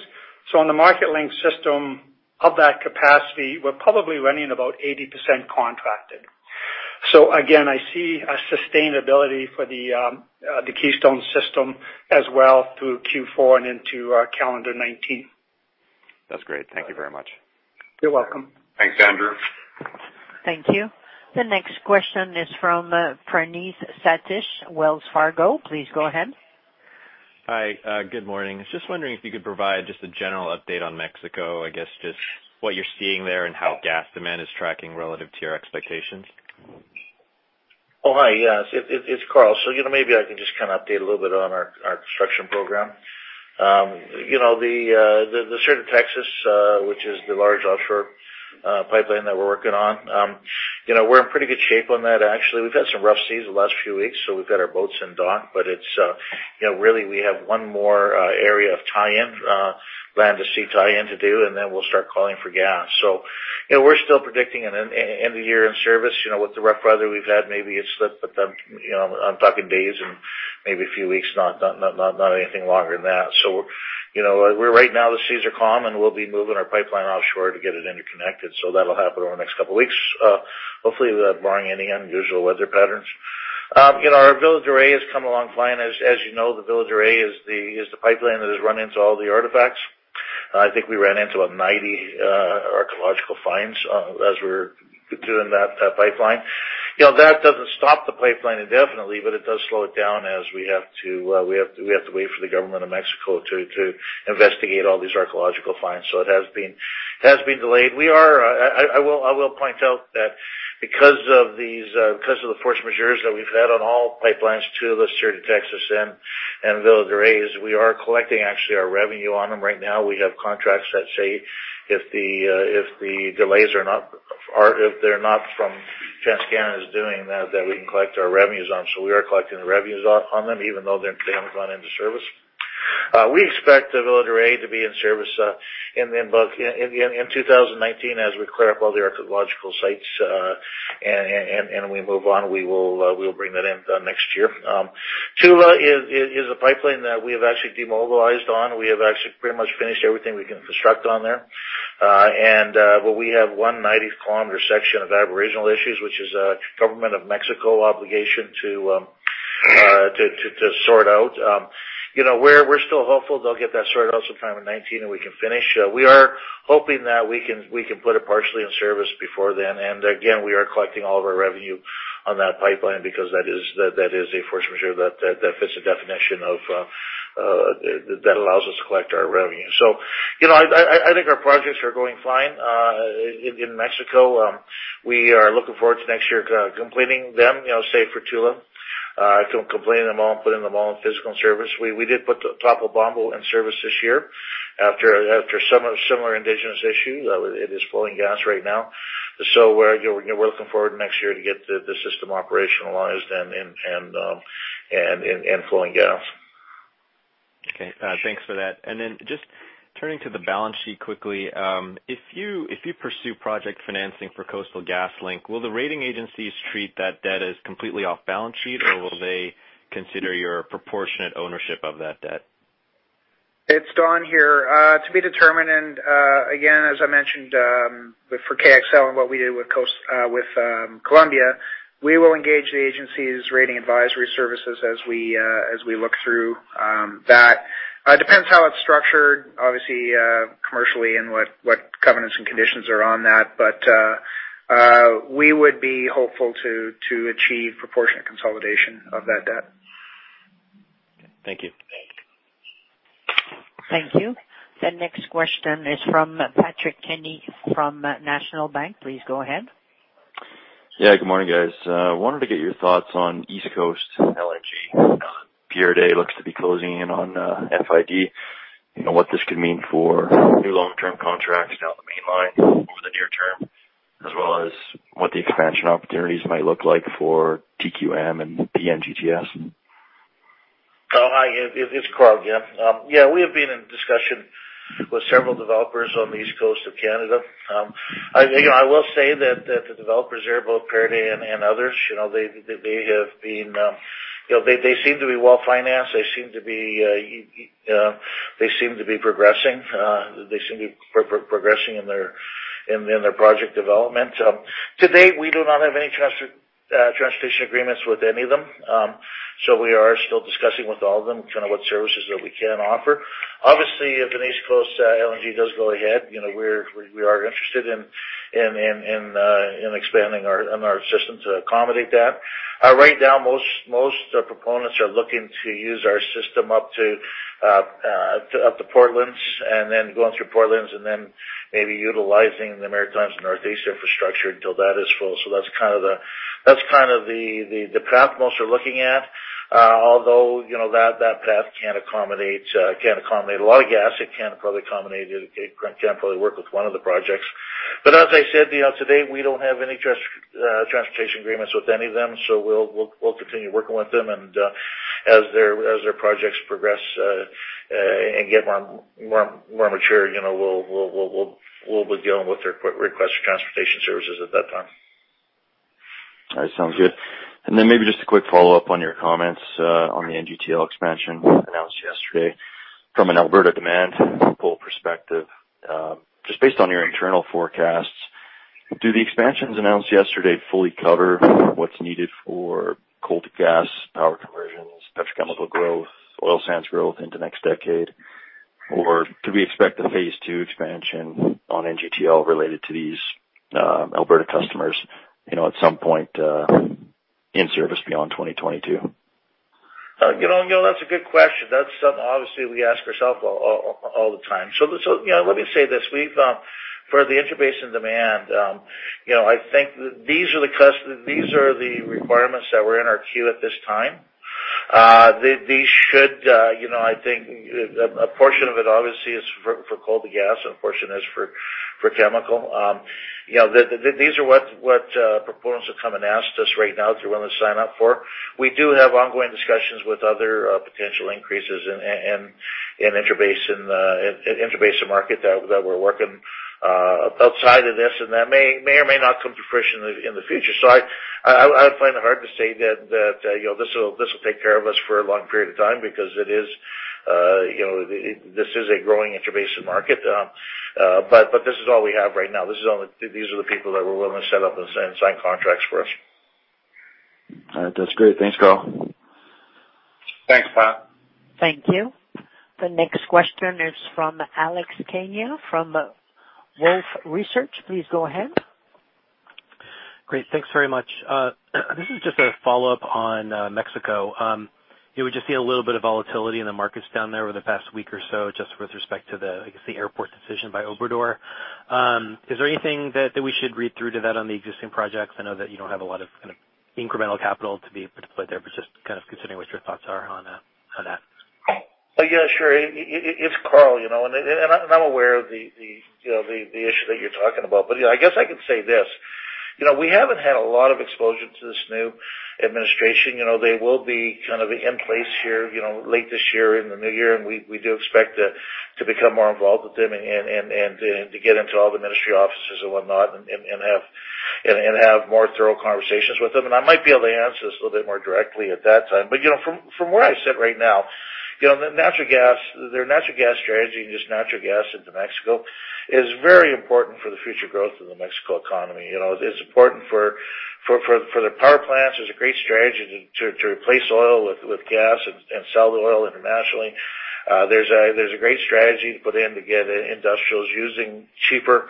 On the MarketLink system, of that capacity, we're probably running about 80% contracted. Again, I see a sustainability for the Keystone system as well through Q4 and into calendar 2019. That's great. Thank you very much. You're welcome. Thanks, Andrew. Thank you. The next question is from Praneeth Satish, Wells Fargo. Please go ahead. Hi. Good morning. Just wondering if you could provide just a general update on Mexico, I guess just what you're seeing there and how gas demand is tracking relative to your expectations. Oh, hi. Yes. It's Karl. Maybe I can just update a little bit on our construction program. The Sur de Texas, which is the large offshore pipeline that we're working on. We're in pretty good shape on that, actually. We've had some rough seas the last few weeks, so we've got our boats in dock, but really, we have one more area of land-to-sea tie-in to do, and then we'll start calling for gas. We're still predicting an end-of-year in service. With the rough weather we've had, maybe it slipped, but then, I'm talking days and maybe a few weeks, not anything longer than that. Right now, the seas are calm, and we'll be moving our pipeline offshore to get it interconnected. That'll happen over the next couple of weeks. Hopefully, barring any unusual weather patterns. Our Villa de Reyes has come along fine. As you know, the Villa de Reyes is the pipeline that has run into all the artifacts. I think we ran into 90 archaeological finds as we're doing that pipeline. That doesn't stop the pipeline indefinitely, but it does slow it down as we have to wait for the government of Mexico to investigate all these archaeological finds. It has been delayed. I will point out that because of the force majeures that we've had on all pipelines, two of the Sur de Texas and Villa de Reyes, we are collecting, actually, our revenue on them right now. We have contracts that say if the delays are not from TransCanada's doing, that we can collect our revenues on. We are collecting the revenues on them, even though they haven't gone into service. We expect the Villa de Reyes to be in service in 2019 as we clear up all the archaeological sites, and we move on. We will bring that in next year. Tula is a pipeline that we have actually demobilized on. We have actually pretty much finished everything we can construct on there. We have one 90-kilometer section of Aboriginal issues, which is a government of Mexico obligation to sort out. We're still hopeful they'll get that sorted out sometime in 2019, and we can finish. We are hoping that we can put it partially in service before then. Again, we are collecting all of our revenue on that pipeline because that is a force majeure that fits the definition of That allows us to collect our revenue. I think our projects are going fine in Mexico. We are looking forward to next year, completing them, save for Tula. Completing them all and putting them all in physical service. We did put Topolobampo in service this year after some similar indigenous issue. It is flowing gas right now. We're looking forward to next year to get the system operationalized and flowing gas. Okay. Thanks for that. Then just turning to the balance sheet quickly. If you pursue project financing for Coastal GasLink, will the rating agencies treat that debt as completely off balance sheet, or will they consider your proportionate ownership of that debt? It's Don here. To be determined, and again, as I mentioned, for KXL and what we did with Columbia, we will engage the agency's rating advisory services as we look through that. Depends how it's structured, obviously, commercially and what covenants and conditions are on that. We would be hopeful to achieve proportionate consolidation of that debt. Thank you. Thank you. The next question is from Patrick Kenny from National Bank. Please go ahead. Yeah, good morning, guys. Wanted to get your thoughts on East Coast LNG. Pieridae looks to be closing in on FID. What this could mean for new long-term contracts down the Mainline over the near term, as well as what the expansion opportunities might look like for TQM and PNGTS. Oh, hi. It's Karl again. We have been in discussion with several developers on the East Coast of Canada. I will say that the developers there, both Pieridae and others, they seem to be well-financed. They seem to be progressing in their project development. To date, we do not have any transportation agreements with any of them. We are still discussing with all of them, what services that we can offer. Obviously, if an East Coast LNG does go ahead, we are interested in expanding our system to accommodate that. Right now, most proponents are looking to use our system up to Portlands, and then going through Portlands, and then maybe utilizing the Maritimes Northeast infrastructure until that is full. That's the path most are looking at. Although, that path can't accommodate a lot of gas. It can't probably work with one of the projects. As I said, to date, we don't have any transportation agreements with any of them, we'll continue working with them. As their projects progress, and get more mature, we'll be dealing with their request for transportation services at that time. All right, sounds good. Maybe just a quick follow-up on your comments, on the NGTL expansion announced yesterday. From an Alberta demand pull perspective, just based on your internal forecasts, do the expansions announced yesterday fully cover what's needed for coal to gas power conversions, petrochemical growth, oil sands growth into next decade? Or could we expect a phase 2 expansion on NGTL related to these Alberta customers, at some point in service beyond 2022? That's a good question. That's something, obviously, we ask ourselves all the time. Let me say this. For the intrabasin demand, I think these are the requirements that were in our queue at this time. A portion of it, obviously, is for coal to gas, and a portion is for chemical. These are what proponents have come and asked us right now if they're willing to sign up for. We do have ongoing discussions with other potential increases in intrabasin market that we're working outside of this, and that may or may not come to fruition in the future. I find it hard to say that this will take care of us for a long period of time because this is a growing intrabasin market. This is all we have right now. These are the people that were willing to set up and sign contracts for us. All right. That's great. Thanks, Karl. Thanks, Pat. Thank you. The next question is from Alex Kania from Wolfe Research. Please go ahead. Great. Thanks very much. This is just a follow-up on Mexico. We just see a little bit of volatility in the markets down there over the past week or so, just with respect to the, I guess, the airport decision by AMLO. Is there anything that we should read through to that on the existing projects? I know that you don't have a lot of incremental capital to be deployed there, but just kind of considering what your thoughts are on that. Yeah, sure. It's Karl. I'm aware of the issue that you're talking about. I guess I can say this. We haven't had a lot of exposure to this new administration. They will be in place here late this year, in the new year, we do expect to become more involved with them and to get into all the ministry offices and whatnot and have more thorough conversations with them. I might be able to answer this a little bit more directly at that time. From where I sit right now, their natural gas strategy and just natural gas into Mexico is very important for the future growth of the Mexico economy. It's important for their power plants. It's a great strategy to replace oil with gas and sell the oil internationally. There's a great strategy to put in to get industrials using cheaper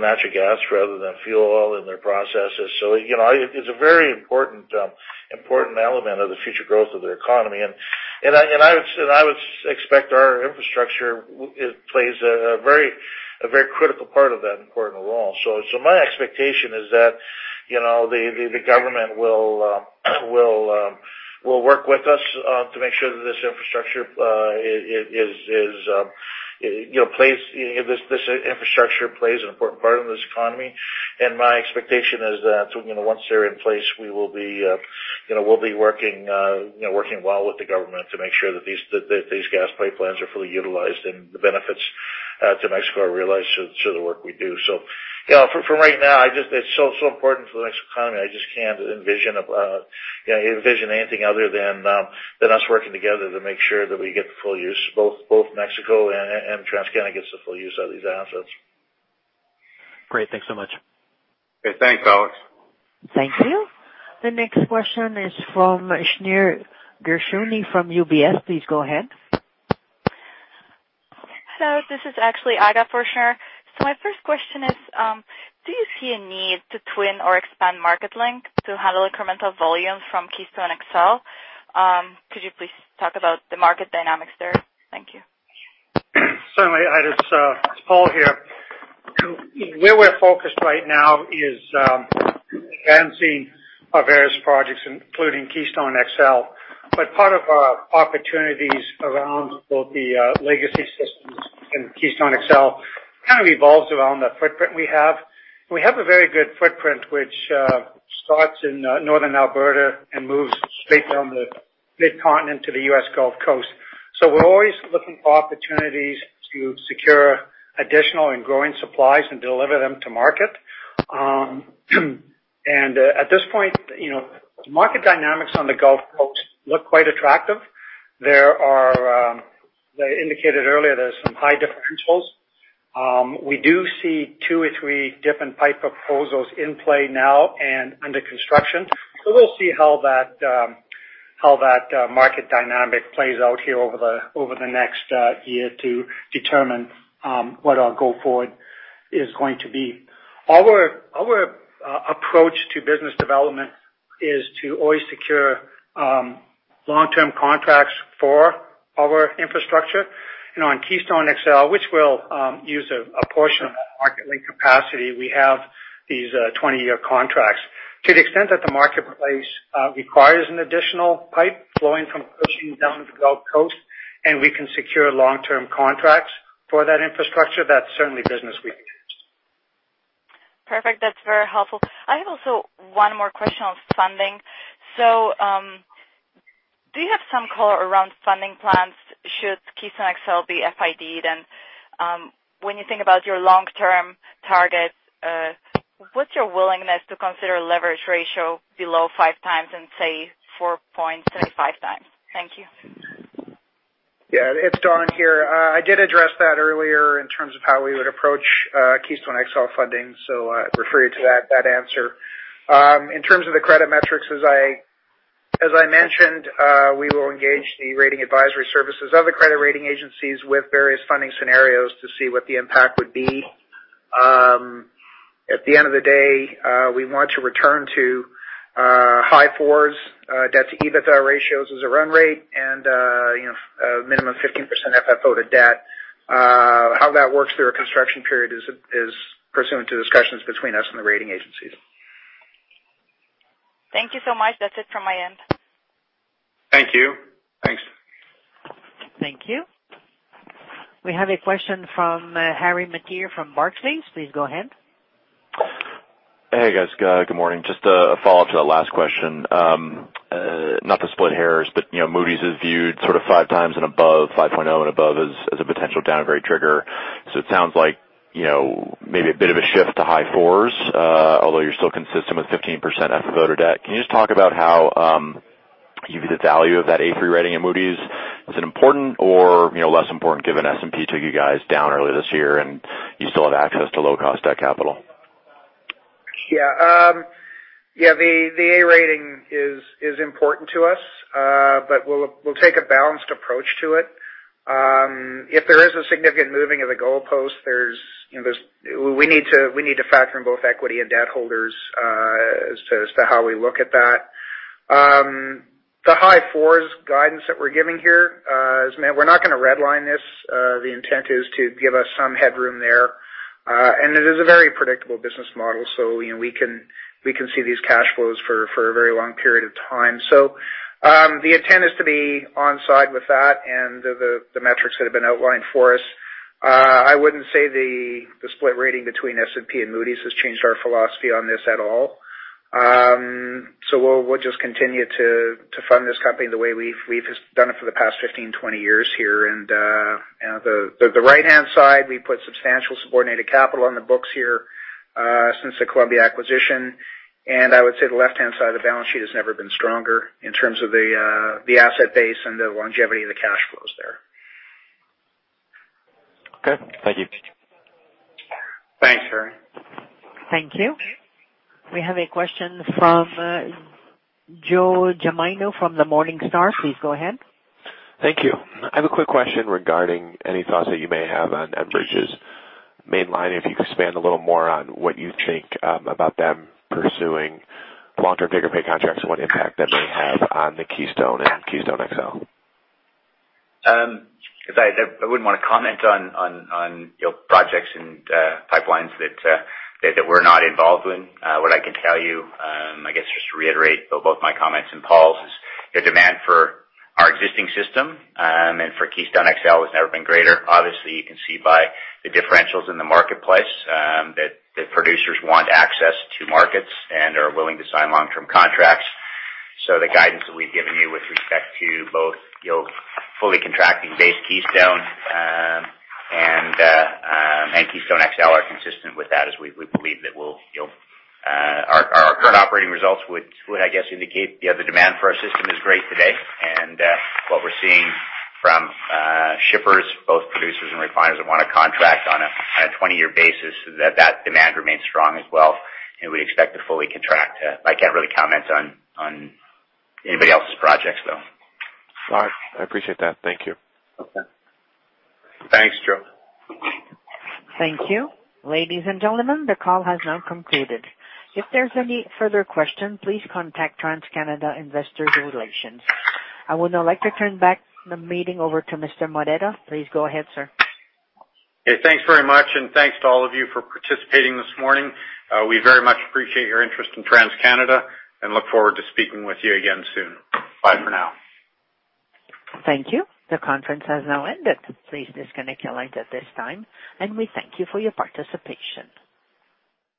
natural gas rather than fuel oil in their processes. It's a very important element of the future growth of their economy. I would expect our infrastructure plays a very critical part of that important role. My expectation is that the government will work with us to make sure that this infrastructure plays an important part in this economy. My expectation is that once they're in place, we'll be working well with the government to make sure that these gas pipelines are fully utilized and the benefits to Mexico are realized through the work we do. For right now, it's so important for the Mexico economy, I just can't envision anything other than us working together to make sure that we get the full use, both Mexico and TransCanada gets the full use of these assets. Great. Thanks so much. Okay. Thanks, Alex. Thank you. The next question is from Shneur Gershuni from UBS. Please go ahead. This is actually Aga for Shneur. My first question is, do you see a need to twin or expand MarketLink to handle incremental volumes from Keystone XL? Could you please talk about the market dynamics there? Thank you. Certainly, it's Paul here. Where we're focused right now is advancing our various projects, including Keystone XL. Part of our opportunities around both the legacy systems and Keystone XL kind of revolves around the footprint we have. We have a very good footprint, which starts in Northern Alberta and moves straight down the mid-continent to the U.S. Gulf Coast. We're always looking for opportunities to secure additional and growing supplies and deliver them to market. At this point, market dynamics on the Gulf Coast look quite attractive. They indicated earlier there's some high differentials. We do see two or three different pipe proposals in play now and under construction. We'll see how that market dynamic plays out here over the next year to determine what our go forward is going to be. Our approach to business development is to always secure long-term contracts for our infrastructure. On Keystone XL, which will use a portion of that MarketLink capacity, we have these 20-year contracts. To the extent that the marketplace requires an additional pipe flowing from Cushing down to the Gulf Coast, and we can secure long-term contracts for that infrastructure, that is certainly business we can use. Perfect. That is very helpful. I have also one more question on funding. Do you have some color around funding plans should Keystone XL be FID-ed? When you think about your long-term targets, what is your willingness to consider leverage ratio below five times and, say, 4.35 times? Thank you. Yeah, it is Don here. I did address that earlier in terms of how we would approach Keystone XL funding. I would refer you to that answer. In terms of the credit metrics, as I mentioned, we will engage the rating advisory services of the credit rating agencies with various funding scenarios to see what the impact would be. At the end of the day, we want to return to high fours debt-to-EBITDA ratios as a run rate and a minimum 15% FFO to debt. How that works through a construction period is pursuant to discussions between us and the rating agencies. Thank you so much. That's it from my end. Thank you. Thanks. Thank you. We have a question from Harry Mateer from Barclays. Please go ahead. Hey, guys. Good morning. Just a follow-up to that last question. Not to split hairs, but Moody's has viewed sort of 5 times and above, 5.0 and above, as a potential downgrade trigger. It sounds like maybe a bit of a shift to high 4s, although you're still consistent with 15% FFO to debt. Can you just talk about how the value of that A3 rating at Moody's, is it important or less important given S&P took you guys down earlier this year, and you still have access to low-cost debt capital? The A rating is important to us. We'll take a balanced approach to it. If there is a significant moving of the goalposts, we need to factor in both equity and debt holders as to how we look at that. The high fours guidance that we're giving here, we're not going to redline this. The intent is to give us some headroom there. It is a very predictable business model. We can see these cash flows for a very long period of time. The intent is to be on side with that and the metrics that have been outlined for us. I wouldn't say the split rating between S&P and Moody's has changed our philosophy on this at all. We'll just continue to fund this company the way we've done it for the past 15, 20 years here. The right-hand side, we put substantial subordinated capital on the books here since the Columbia acquisition. I would say the left-hand side of the balance sheet has never been stronger in terms of the asset base and the longevity of the cash flows there. Okay. Thank you. Thanks, Harry. Thank you. We have a question from Joe Gemino from Morningstar. Please go ahead. Thank you. I have a quick question regarding any thoughts that you may have on Enbridge's Mainline. If you could expand a little more on what you think about them pursuing longer, bigger pay contracts and what impact that may have on the Keystone Pipeline and Keystone XL. I wouldn't want to comment on projects and pipelines that we're not involved with. What I can tell you, I guess, just to reiterate both my comments and Paul's, is the demand for our existing system and for Keystone XL has never been greater. Obviously, you can see by the differentials in the marketplace that producers want access to markets and are willing to sign long-term contracts. The guidance that we've given you with respect to both fully contracting base Keystone and Keystone XL are consistent with that. Our current operating results would, I guess, indicate the demand for our system is great today. What we're seeing from shippers, both producers and refiners that want to contract on a 20-year basis, that demand remains strong as well and we expect to fully contract. I can't really comment on anybody else's projects, though. All right. I appreciate that. Thank you. Okay. Thanks, Joe. Thank you. Ladies and gentlemen, the call has now concluded. If there is any further question, please contact TransCanada Investor Relations. I would now like to turn back the meeting over to Mr. Moneta. Please go ahead, sir. Thanks very much, and thanks to all of you for participating this morning. We very much appreciate your interest in TransCanada and look forward to speaking with you again soon. Bye for now. Thank you. The conference has now ended. Please disconnect your lines at this time, and we thank you for your participation.